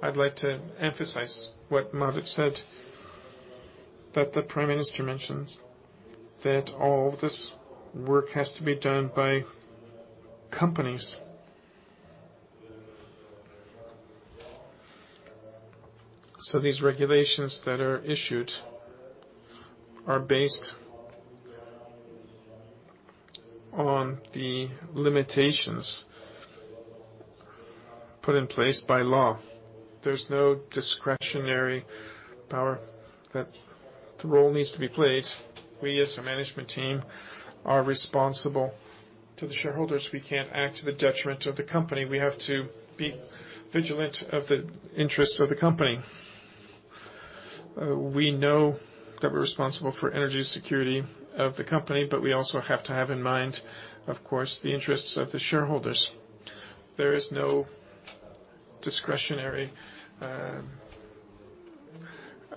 I'd like to emphasize what Marek said, that the Prime Minister mentions that all this work has to be done by companies. These regulations that are issued are based on the limitations put in place by law. There's no discretionary power that the role needs to be played. We as a management team are responsible to the shareholders. We can't act to the detriment of the company. We have to be vigilant of the interests of the company. We know that we're responsible for energy security of the company, but we also have to have in mind, of course, the interests of the shareholders. There is no discretionary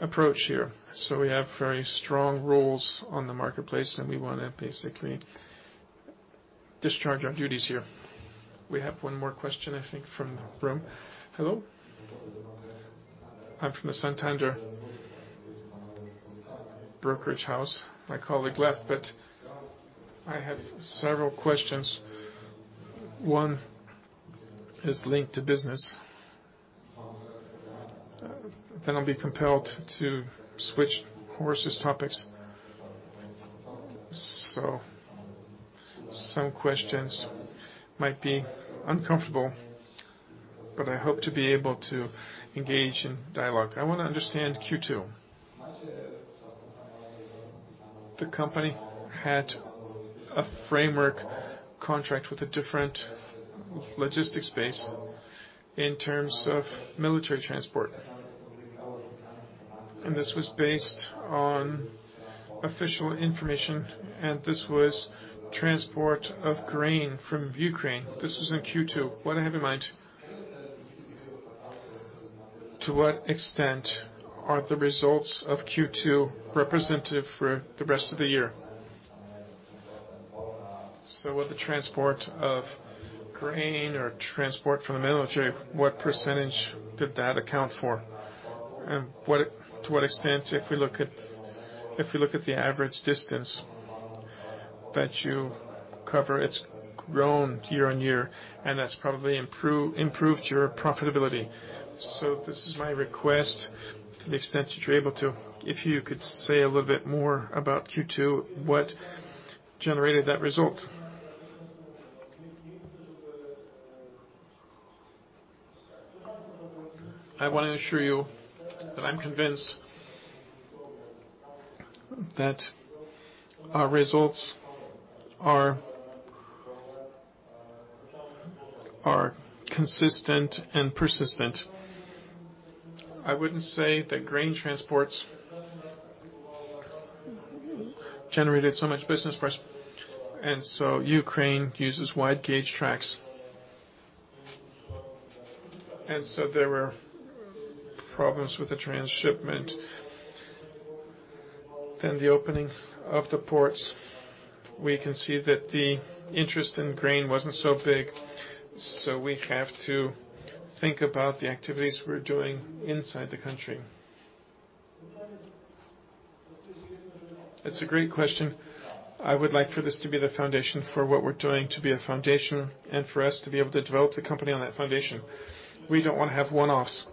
approach here. We have very strong rules on the marketplace, and we wanna basically discharge our duties here.
We have one more question, I think, from the room. Hello. I'm from the Santander Brokerage Poland. My colleague left, but I have several questions. One is linked to business. Then I'll be compelled to switch to harsher topics. Some questions might be uncomfortable, but I hope to be able to engage in dialogue. I wanna understand Q2. The company had a framework contract with a different logistics base in terms of military transport. This was based on official information, and this was transport of grain from Ukraine. This was in Q2. What I have in mind, to what extent are the results of Q2 representative for the rest of the year? With the transport of grain or transport for the military, what percentage did that account for?
To what extent, if we look at the average distance that you cover, it's grown year on year, and that's probably improved your profitability. This is my request to the extent that you're able to. If you could say a little bit more about Q2, what generated that result? I wanna assure you that I'm convinced that our results are consistent and persistent. I wouldn't say that grain transports generated so much business press. Ukraine uses wide gauge tracks. There were problems with the transshipment. The opening of the ports, we can see that the interest in grain wasn't so big. We have to think about the activities we're doing inside the country. It's a great question. I would like for this to be the foundation for what we're doing to be a foundation and for us to be able to develop the company on that foundation. We don't wanna have one-offs.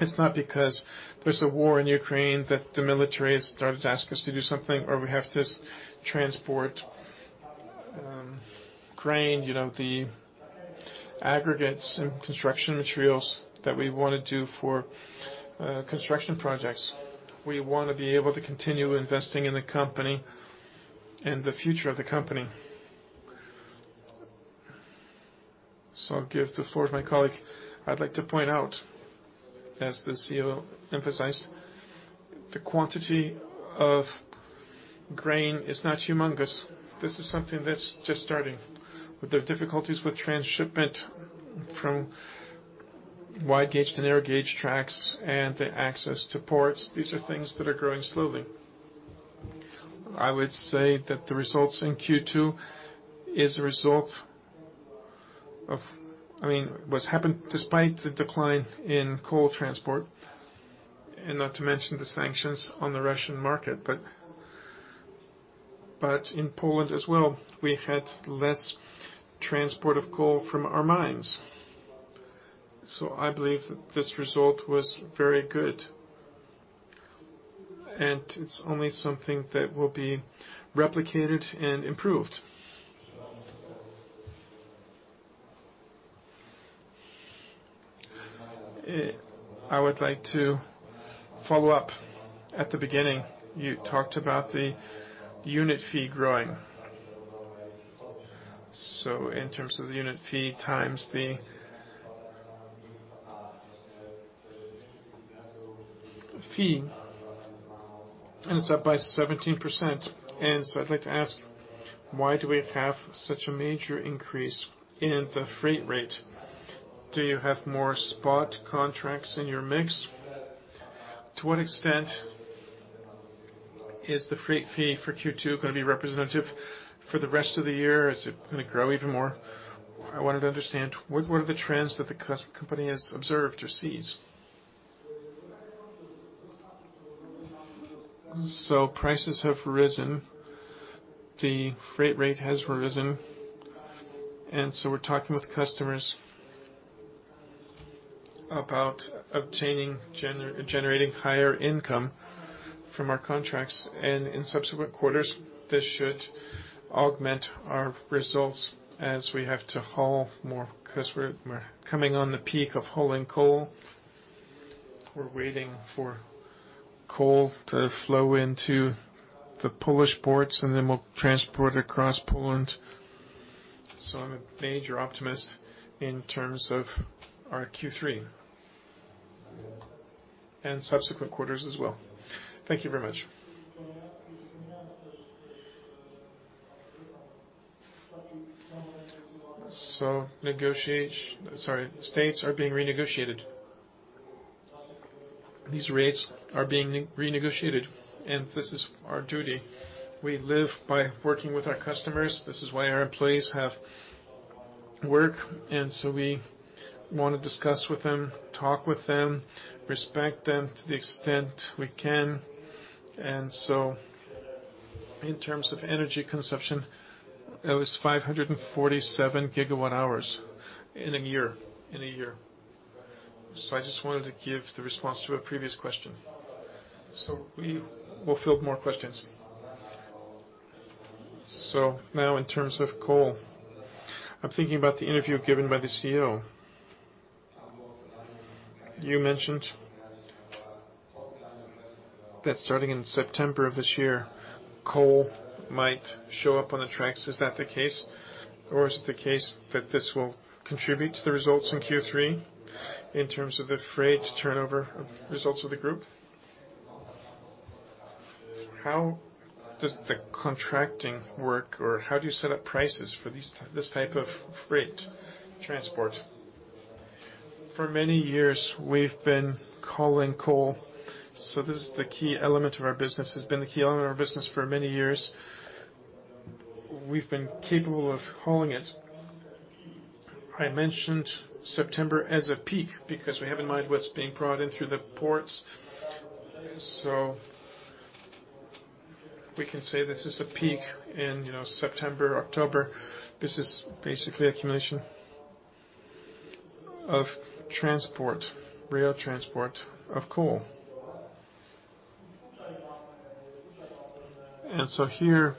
It's not because there's a war in Ukraine that the military has started to ask us to do something, or we have to transport, grain, you know, the aggregates and construction materials that we wanna do for construction projects. We wanna be able to continue investing in the company and the future of the company. I'll give the floor to my colleague. I'd like to point out, as the CEO emphasized, the quantity of grain is not humongous. This is something that's just starting. With the difficulties with transshipment from wide gauge to narrow gauge tracks and the access to ports, these are things that are growing slowly. I would say that the results in Q2 is a result of, I mean, what's happened despite the decline in coal transport, and not to mention the sanctions on the Russian market. In Poland as well, we had less transport of coal from our mines. I believe this result was very good. It's only something that will be replicated and improved. I would like to follow up. At the beginning, you talked about the unit fee growing. In terms of the unit fee times the fee, and it's up by 17%. I'd like to ask, why do we have such a major increase in the freight rate? Do you have more spot contracts in your mix? To what extent is the freight fee for Q2 gonna be representative for the rest of the year? Is it gonna grow even more? I wanted to understand what the trends that the company has observed or sees? Prices have risen, the freight rate has risen. We're talking with customers about generating higher income from our contracts. In subsequent quarters, this should augment our results as we have to haul more because we're coming on the peak of hauling coal. We're waiting for coal to flow into the Polish ports, and then we'll transport across Poland. I'm a major optimist in terms of our Q3 and subsequent quarters as well. Thank you very much. Sorry, rates are being renegotiated. These rates are being renegotiated, and this is our duty. We live by working with our customers. This is why our employees have work. We wanna discuss with them, talk with them, respect them to the extent we can. In terms of energy consumption, it was 547 gigawatt hours in a year. I just wanted to give the response to a previous question. We will field more questions. Now in terms of coal, I'm thinking about the interview given by the CEO. You mentioned that starting in September of this year, coal might show up on the tracks. Is that the case? Or is it the case that this will contribute to the results in Q3 in terms of the freight turnover or results of the group? How does the contracting work, or how do you set up prices for this type of freight transport? For many years, we've been hauling coal, so this is the key element of our business. It's been the key element of our business for many years. We've been capable of hauling it. I mentioned September as a peak because we have in mind what's being brought in through the ports. We can say this is a peak in, you know, September, October. This is basically accumulation of transport, rail transport of coal. Here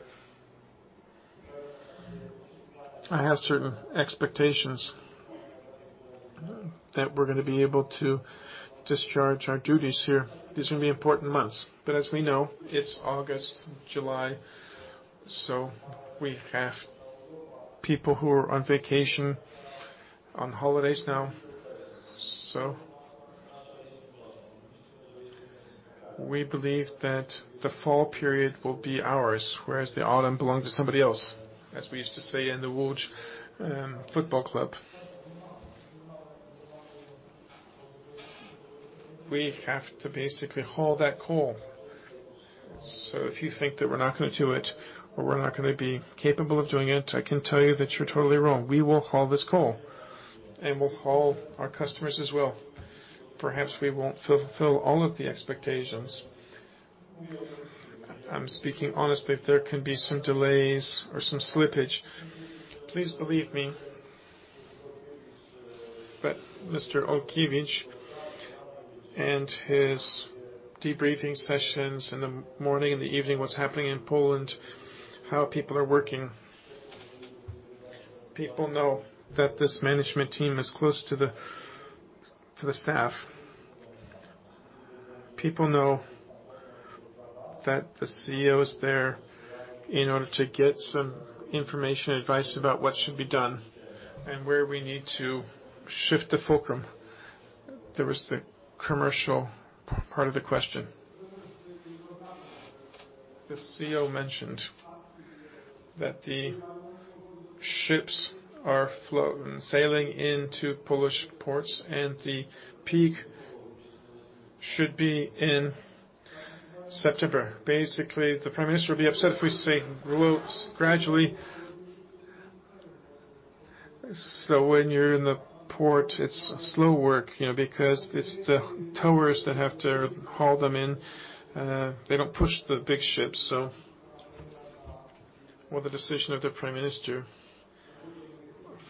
I have certain expectations that we're gonna be able to discharge our duties here. These are gonna be important months. As we know, it's August, July, so we have people who are on vacation, on holidays now. We believe that the fall period will be ours, whereas the autumn belonged to somebody else, as we used to say in the Łódź Football Club. We have to basically haul that coal. If you think that we're not gonna do it or we're not gonna be capable of doing it, I can tell you that you're totally wrong. We will haul this coal, and we'll haul our customers as well. Perhaps we won't fulfill all of the expectations. I'm speaking honestly. There can be some delays or some slippage. Please believe me. Mr. Olkiewicz and his debriefing sessions in the morning and the evening, what's happening in Poland, how people are working. People know that this management team is close to the staff. People know that the CEO's there in order to get some information, advice about what should be done and where we need to shift the fulcrum. There was the commercial part of the question. The CEO mentioned that the ships are sailing into Polish ports, and the peak should be in September. Basically, the Prime Minister will be upset if we say loads gradually. When you're in the port, it's slow work, you know, because it's the towers that have to haul them in. They don't push the big ships. Well, the decision of the Prime Minister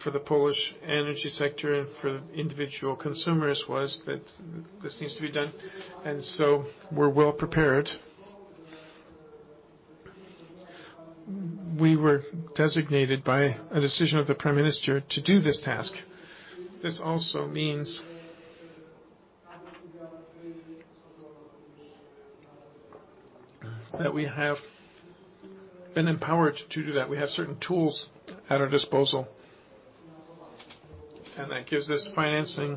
for the Polish energy sector and for individual consumers was that this needs to be done, and we're well-prepared. We were designated by a decision of the Prime Minister to do this task. This also means that we have been empowered to do that. We have certain tools at our disposal, and that gives us financing,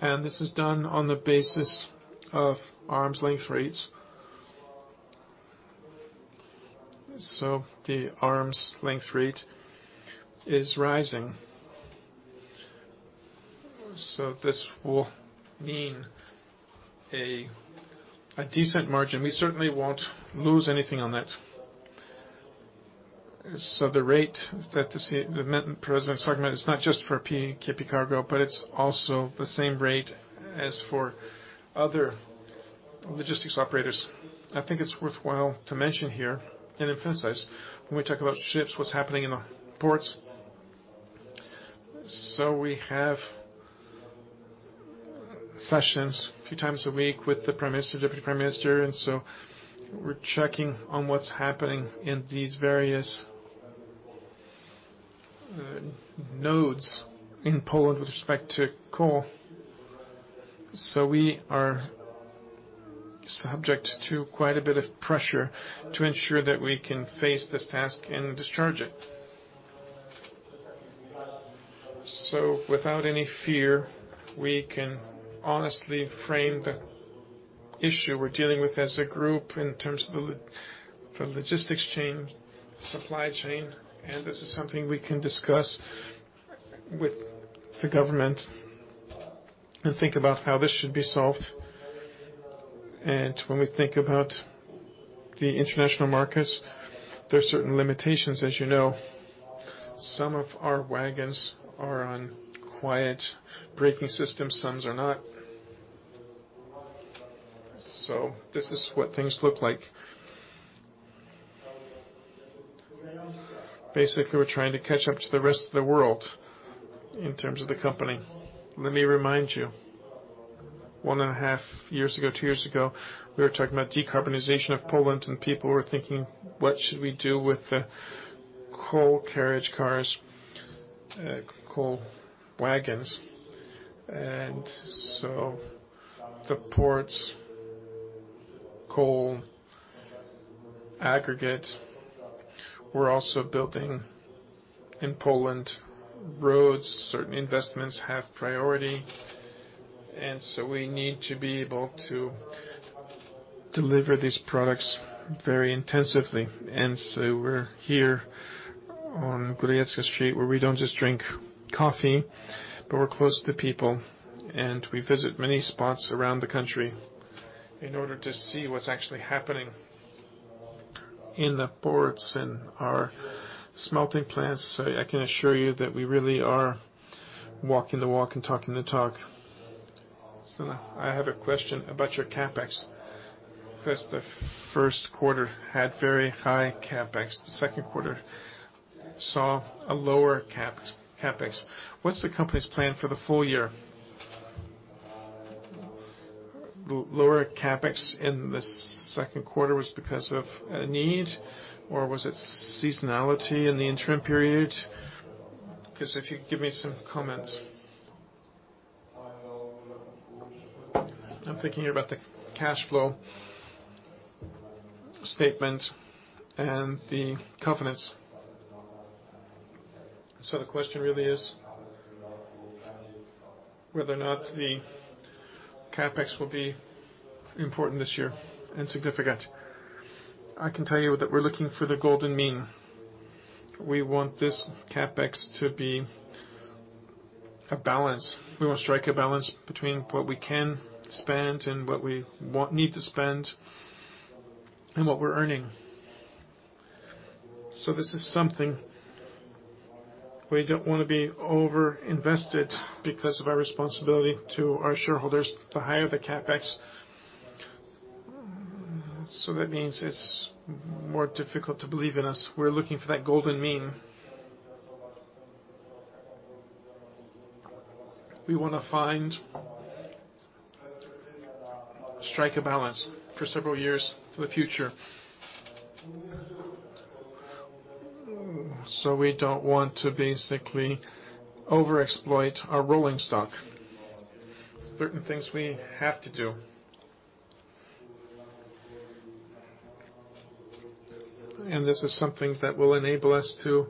and this is done on the basis of arm's length rates. The arm's length rate is rising. This will mean a decent margin. We certainly won't lose anything on that. The rate that the president is talking about is not just for PKP Cargo, but it's also the same rate as for other logistics operators. I think it's worthwhile to mention here and emphasize when we talk about ships, what's happening in the ports. We have sessions a few times a week with the Prime Minister, Deputy Prime Minister, and so we're checking on what's happening in these various nodes in Poland with respect to coal. We are subject to quite a bit of pressure to ensure that we can face this task and discharge it. Without any fear, we can honestly frame the issue we're dealing with as a group in terms of the logistics chain, supply chain, and this is something we can discuss with the government and think about how this should be solved. When we think about the international markets, there are certain limitations. As you know, some of our wagons are on quiet braking systems, some are not. This is what things look like. Basically, we're trying to catch up to the rest of the world in terms of the company. Let me remind you, 1.5 years ago, 2 years ago, we were talking about decarbonization of Poland, and people were thinking, "What should we do with the coal carriage cars, coal wagons?" The ports, coal aggregate, we're also building in Poland, roads, certain investments have priority, and we need to be able to deliver these products very intensively. We're here on Grzybowska Street, where we don't just drink coffee, but we're close to people, and we visit many spots around the country in order to see what's actually happening in the ports and our smelting plants. I can assure you that we really are walking the walk and talking the talk. I have a question about your CapEx, 'cause the first quarter had very high CapEx. The second quarter saw a lower CapEx.
What's the company's plan for the full year? Lower CapEx in the second quarter was because of need, or was it seasonality in the interim period? 'Cause if you could give me some comments. I'm thinking about the cash flow statement and the covenants. The question really is whether or not the CapEx will be important this year and significant. I can tell you that we're looking for the golden mean. We want this CapEx to be a balance. We want to strike a balance between what we can spend and what we need to spend and what we're earning. This is something we don't wanna be over-invested because of our responsibility to our shareholders. The higher the CapEx, so that means it's more difficult to believe in us. We're looking for that golden mean.
We wanna strike a balance for several years for the future. We don't want to basically overexploit our rolling stock. Certain things we have to do. This is something that will enable us to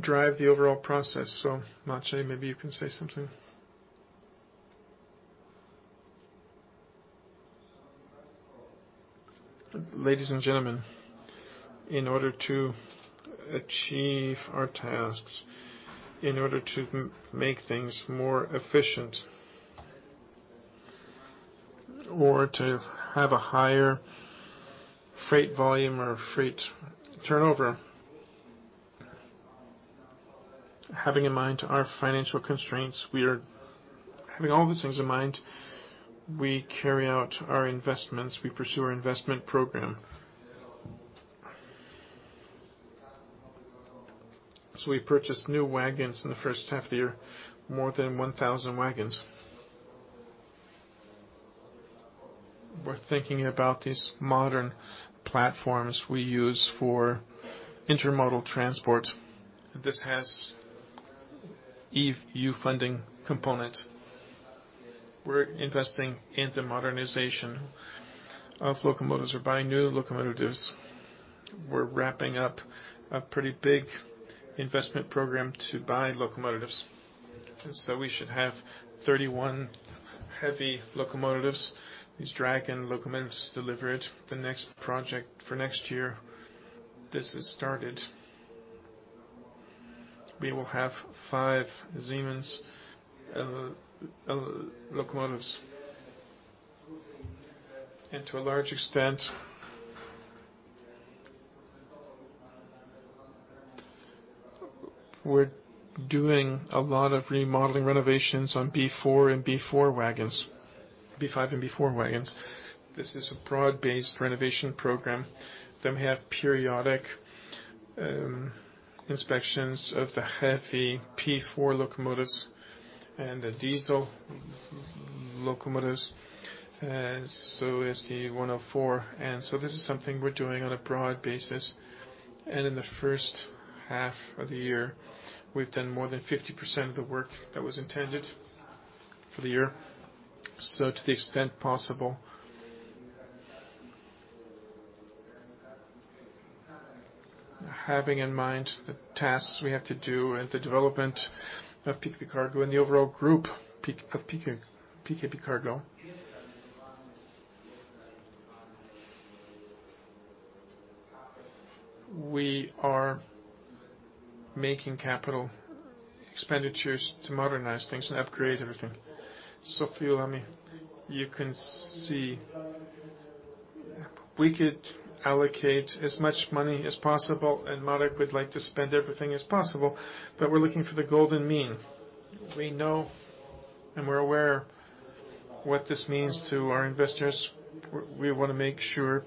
drive the overall process. Maciej, maybe you can say something. Ladies and gentlemen, in order to achieve our tasks, in order to make things more efficient or to have a higher freight volume or a freight turnover, having in mind our financial constraints, we are having all these things in mind. We carry out our investments, we pursue our investment program. We purchased new wagons in the first half of the year, more than 1,000 wagons. We're thinking about these modern platforms we use for intermodal transport. This has EU funding component. We're investing in the modernization of locomotives. We're buying new locomotives. We're wrapping up a pretty big investment program to buy locomotives. We should have 31 heavy locomotives. These Dragon locomotives delivered the next project for next year. This is started. We will have five Siemens locomotives. To a large extent, we're doing a lot of remodeling renovations on B4 and B4 wagons, B5 and B4 wagons. This is a broad-based renovation program. We have periodic inspections of the heavy P4 locomotives and the diesel locomotives, and so is the 104. This is something we're doing on a broad basis. In the first half of the year, we've done more than 50% of the work that was intended for the year. To the extent possible, having in mind the tasks we have to do and the development of PKP Cargo and the overall group of PKP Cargo. We are making capital expenditures to modernize things and upgrade everything. Finally, you can see we could allocate as much money as possible, and Marek would like to spend everything as possible, but we're looking for the golden mean. We know and we're aware what this means to our investors. We wanna make sure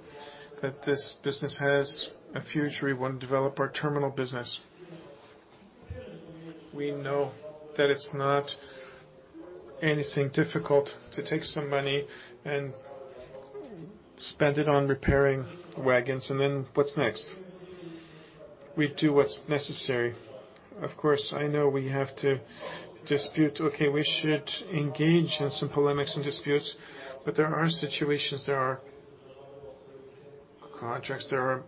that this business has a future. We wanna develop our terminal business. We know that it's not anything difficult to take some money and spend it on repairing wagons. What's next? We do what's necessary. Of course, I know we have to dispute. Okay, we should engage in some polemics and disputes, but there are situations, there are contracts, there are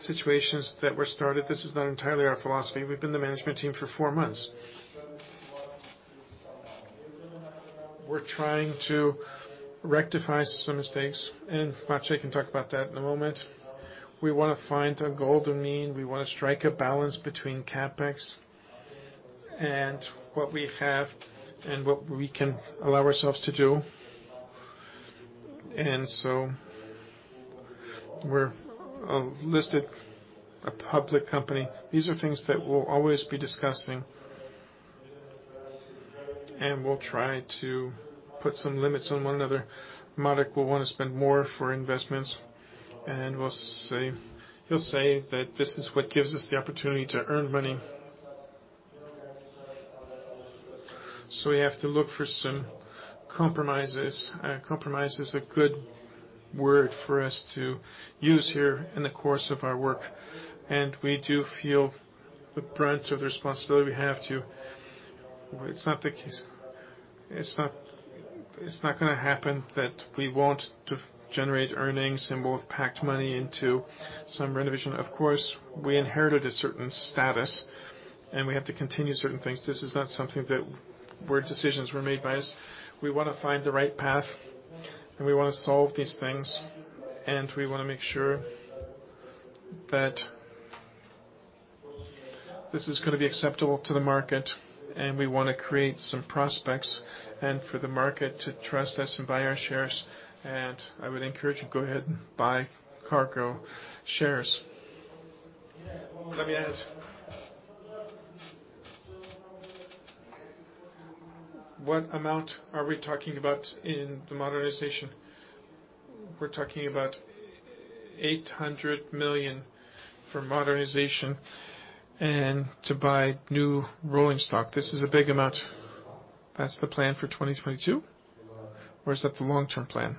situations that were started. This is not entirely our philosophy. We've been the management team for four months. We're trying to rectify some mistakes, and Maciej can talk about that in a moment. We wanna find a golden mean. We wanna strike a balance between CapEx and what we have and what we can allow ourselves to do. We're a listed, a public company. These are things that we'll always be discussing. We'll try to put some limits on one another. Marek will wanna spend more for investments, and we'll say, he'll say that this is what gives us the opportunity to earn money. We have to look for some compromises. Compromise is a good word for us to use here in the course of our work. We do feel the brunt of the responsibility we have to. It's not the case. It's not gonna happen that we want to generate earnings and put money into some renovation. Of course, we inherited a certain status, and we have to continue certain things. This is not something that where decisions were made by us. We wanna find the right path, and we wanna solve these things, and we wanna make sure that this is gonna be acceptable to the market, and we wanna create some prospects and for the market to trust us and buy our shares. I would encourage you to go ahead and buy PKP Cargo shares. Let me add. What amount are we talking about in the modernization? We're talking about 800 million for modernization and to buy new rolling stock. This is a big amount. That's the plan for 2022, or is that the long-term plan?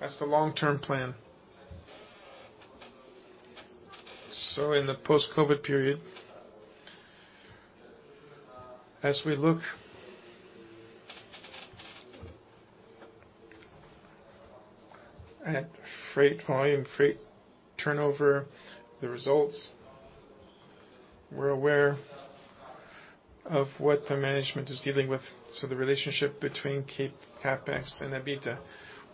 That's the long-term plan. In the post-COVID period, as we look at freight volume, freight turnover, the results, we're aware of what the management is dealing with. The relationship between CapEx and EBITDA,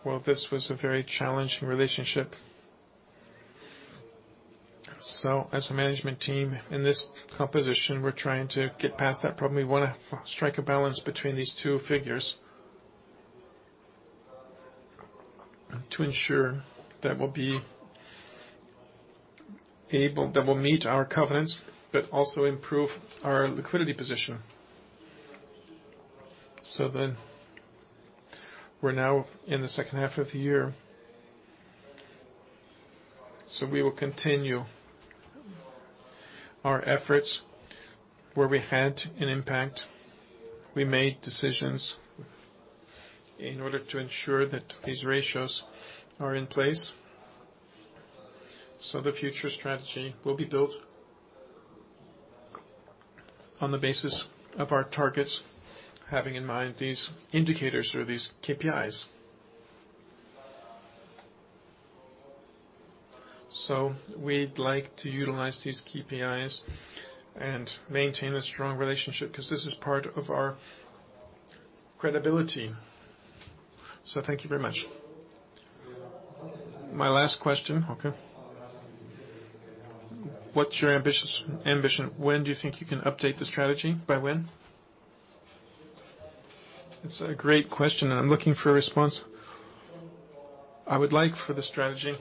well, this was a very challenging relationship. As a management team in this composition, we're trying to get past that problem. We wanna strike a balance between these two figures to ensure that we'll be able, that we'll meet our covenants, but also improve our liquidity position. We're now in the second half of the year. We will continue our efforts where we had an impact. We made decisions in order to ensure that these ratios are in place. The future strategy will be built on the basis of our targets, having in mind these indicators or these KPIs. We'd like to utilize these KPIs and maintain a strong relationship because this is part of our credibility. Thank you very much. My last question. Okay. What's your ambition? When do you think you can update the strategy? By when? It's a great question, and I'm looking for a response. I would like for the strategy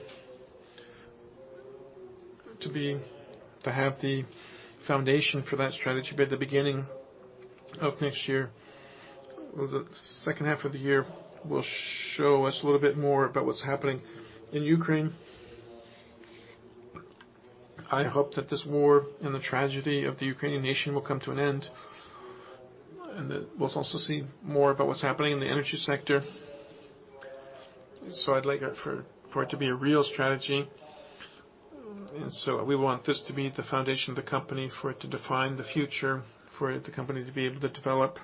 to have the foundation for that strategy by the beginning of next year. Well, the second half of the year will show us a little bit more about what's happening in Ukraine. I hope that this war and the tragedy of the Ukrainian nation will come to an end, and then we'll also see more about what's happening in the energy sector. I'd like for it to be a real strategy. We want this to be the foundation of the company, for it to define the future, for the company to be able to develop.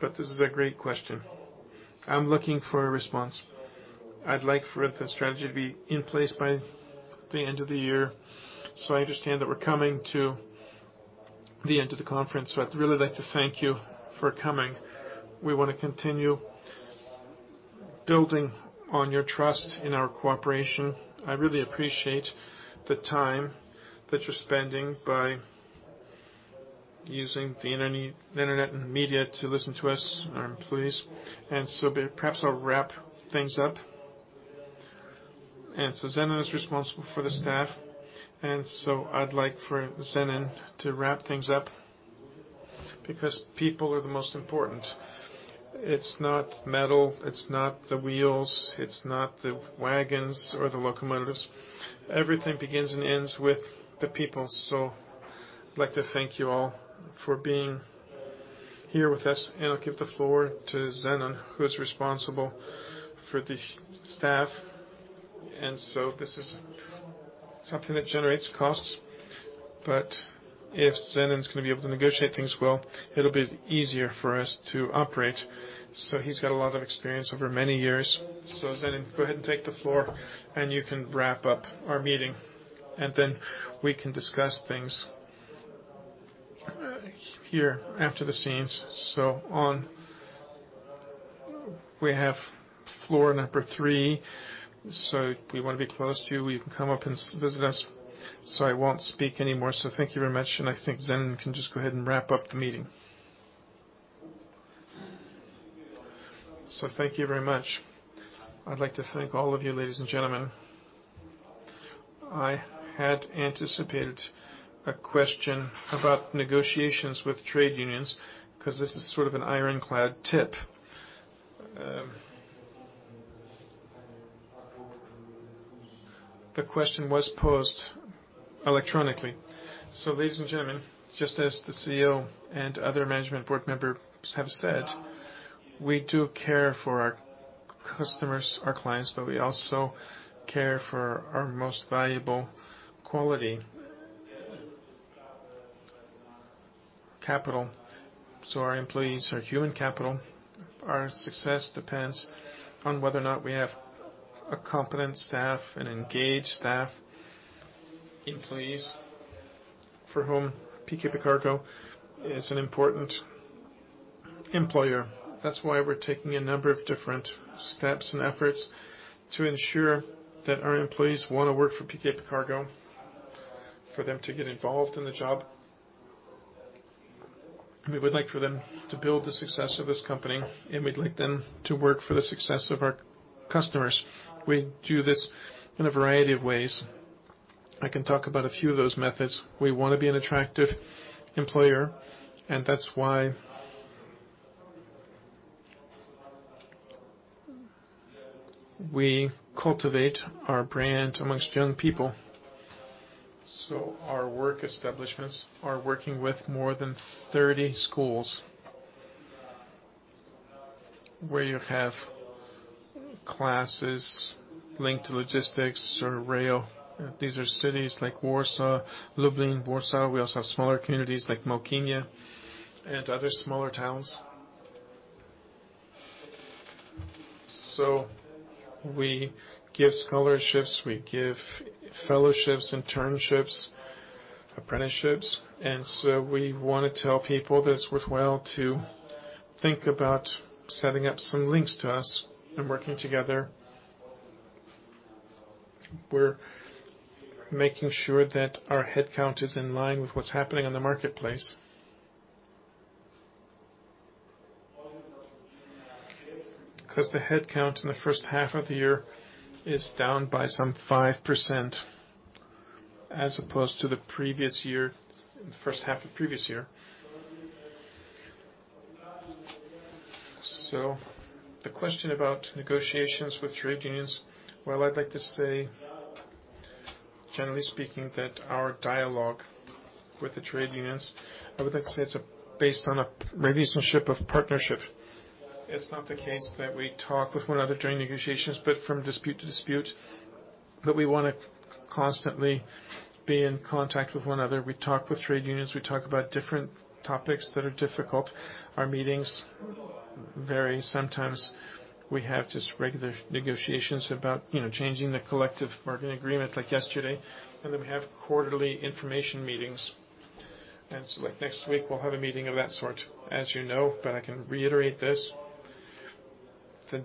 This is a great question. I'm looking for a response. I'd like for the strategy to be in place by the end of the year. I understand that we're coming to the end of the conference. I'd really like to thank you for coming. We wanna continue building on your trust in our cooperation. I really appreciate the time that you're spending by using the internet and media to listen to us, our employees. Perhaps I'll wrap things up. Zenon is responsible for the staff, and so I'd like for Zenon to wrap things up because people are the most important. It's not metal, it's not the wheels, it's not the wagons or the locomotives. Everything begins and ends with the people. I'd like to thank you all for being here with us, and I'll give the floor to Zenon, who is responsible for the staff. This is something that generates costs. If Zenon's gonna be able to negotiate things well, it'll be easier for us to operate. He's got a lot of experience over many years. Zenon, go ahead and take the floor, and you can wrap up our meeting, and then we can discuss things here after the scenes. Now we have floor number three. If we wanna be close to you can come up and visit us. I won't speak anymore. Thank you very much, and I think Zenon can just go ahead and wrap up the meeting. Thank you very much.
I'd like to thank all of you, ladies and gentlemen. I had anticipated a question about negotiations with trade unions because this is sort of an ironclad tip. The question was posed electronically. Ladies and gentlemen, just as the CEO and other management board members have said, we do care for our customers, our clients, but we also care for our most valuable quality, capital. Our employees, our human capital, our success depends on whether or not we have a competent staff and engaged staff, employees for whom PKP Cargo is an important employer. That's why we're taking a number of different steps and efforts to ensure that our employees wanna work for PKP Cargo, for them to get involved in the job. We would like for them to build the success of this company, and we'd like them to work for the success of our customers.
We do this in a variety of ways. I can talk about a few of those methods. We wanna be an attractive employer, and that's why we cultivate our brand among young people. Our work establishments are working with more than 30 schools where you have classes linked to logistics or rail. These are cities like Warsaw, Lublin, Warsaw. We also have smaller communities like Małkinia and other smaller towns. We give scholarships, we give fellowships, internships, apprenticeships, and so we wanna tell people that it's worthwhile to think about setting up some links to us and working together. We're making sure that our headcount is in line with what's happening in the marketplace 'cause the headcount in the first half of the year is down by some 5% as opposed to the previous year, the first half of the previous year. The question about negotiations with trade unions. Well, I'd like to say, generally speaking, that our dialogue with the trade unions, I would like to say it's based on a relationship of partnership. It's not the case that we talk with one another during negotiations, but from dispute to dispute that we wanna constantly be in contact with one another. We talk with trade unions. We talk about different topics that are difficult. Our meetings vary. Sometimes we have just regular negotiations about, you know, changing the collective bargaining agreement like yesterday. We have quarterly information meetings. Like next week, we'll have a meeting of that sort, as you know, but I can reiterate this. The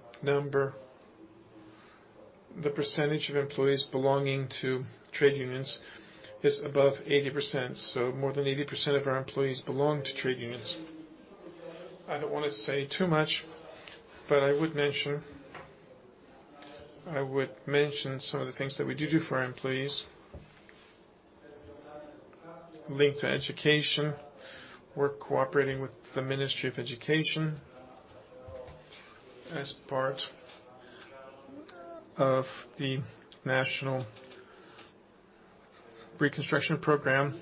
percentage of employees belonging to trade unions is above 80%, so more than 80% of our employees belong to trade unions. I don't wanna say too much, but I would mention some of the things that we do for our employees. Link to education. We're cooperating with the Ministry of National Education as part of the National Recovery Plan.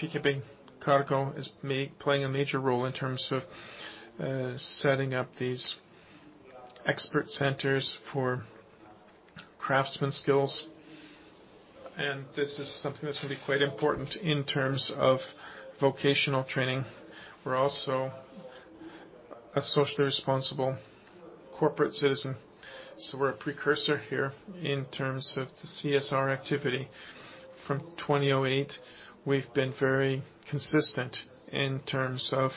PKP Cargo is playing a major role in terms of setting up these expert centers for craftsmen skills, and this is something that's gonna be quite important in terms of vocational training. We're also a socially responsible corporate citizen, so we're a precursor here in terms of the CSR activity. From 2008, we've been very consistent in terms of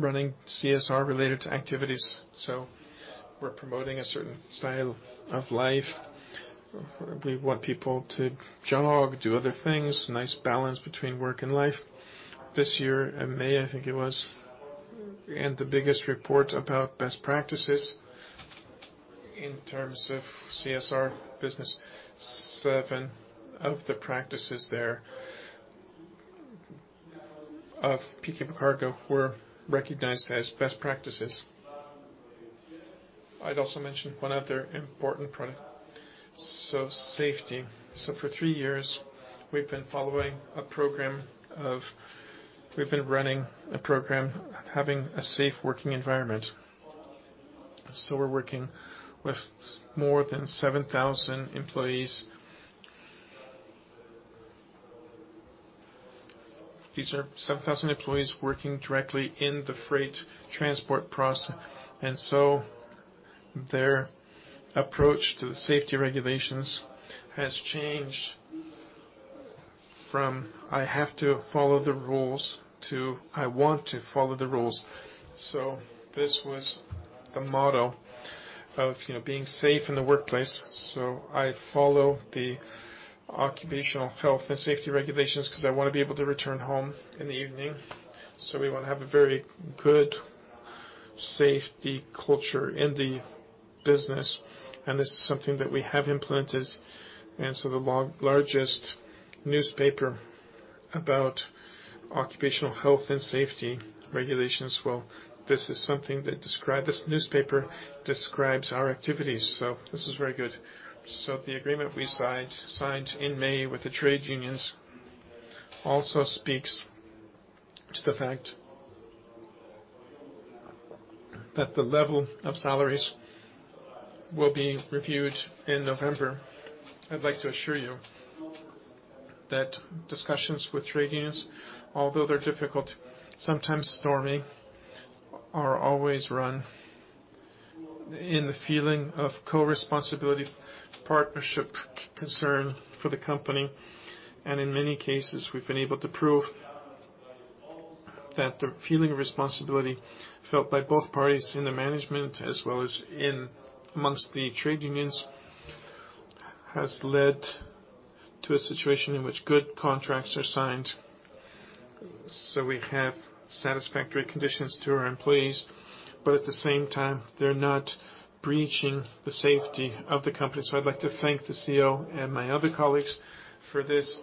running CSR related to activities. We're promoting a certain style of life. We want people to jog, do other things. Nice balance between work and life. This year, in May, I think it was, we had the biggest report about best practices in terms of CSR business. 7 of the practices thereof PKP Cargo were recognized as best practices. I'd also mention one other important product. Safety. For 3 years, we've been running a program, having a safe working environment. We're working with more than 7,000 employees. These are 7,000 employees working directly in the freight transport. Their approach to the safety regulations has changed from I have to follow the rules to I want to follow the rules. This was a motto of, you know, being safe in the workplace, so I follow the occupational health and safety regulations 'cause I wanna be able to return home in the evening. We wanna have a very good safety culture in the business, and this is something that we have implemented. The largest newspaper about occupational health and safety regulations, well, this is something that this newspaper describes our activities, so this is very good. The agreement we signed in May with the trade unions also speaks to the fact that the level of salaries will be reviewed in November. I'd like to assure you that discussions with trade unions, although they're difficult, sometimes stormy, are always run in the feeling of co-responsibility, partnership, concern for the company. In many cases, we've been able to prove that the feeling of responsibility felt by both parties in the management as well as amongst the trade unions has led to a situation in which good contracts are signed. We have satisfactory conditions to our employees, but at the same time, they're not breaching the safety of the company. I'd like to thank the CEO and my other colleagues for this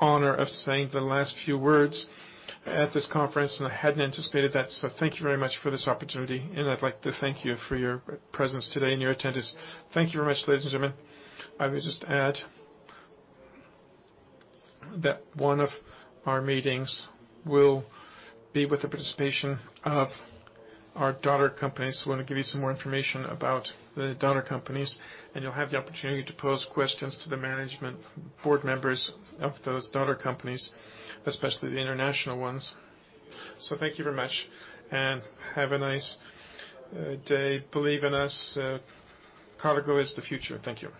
honor of saying the last few words at this conference, and I hadn't anticipated that. Thank you very much for this opportunity, and I'd like to thank you for your presence today and your attendance. Thank you very much, ladies and gentlemen. I would just add that one of our meetings will be with the participation of our daughter companies. Wanna give you some more information about the daughter companies, and you'll have the opportunity to pose questions to the management board members of those daughter companies, especially the international ones. Thank you very much, and have a nice day. Believe in us. Cargo is the future. Thank you.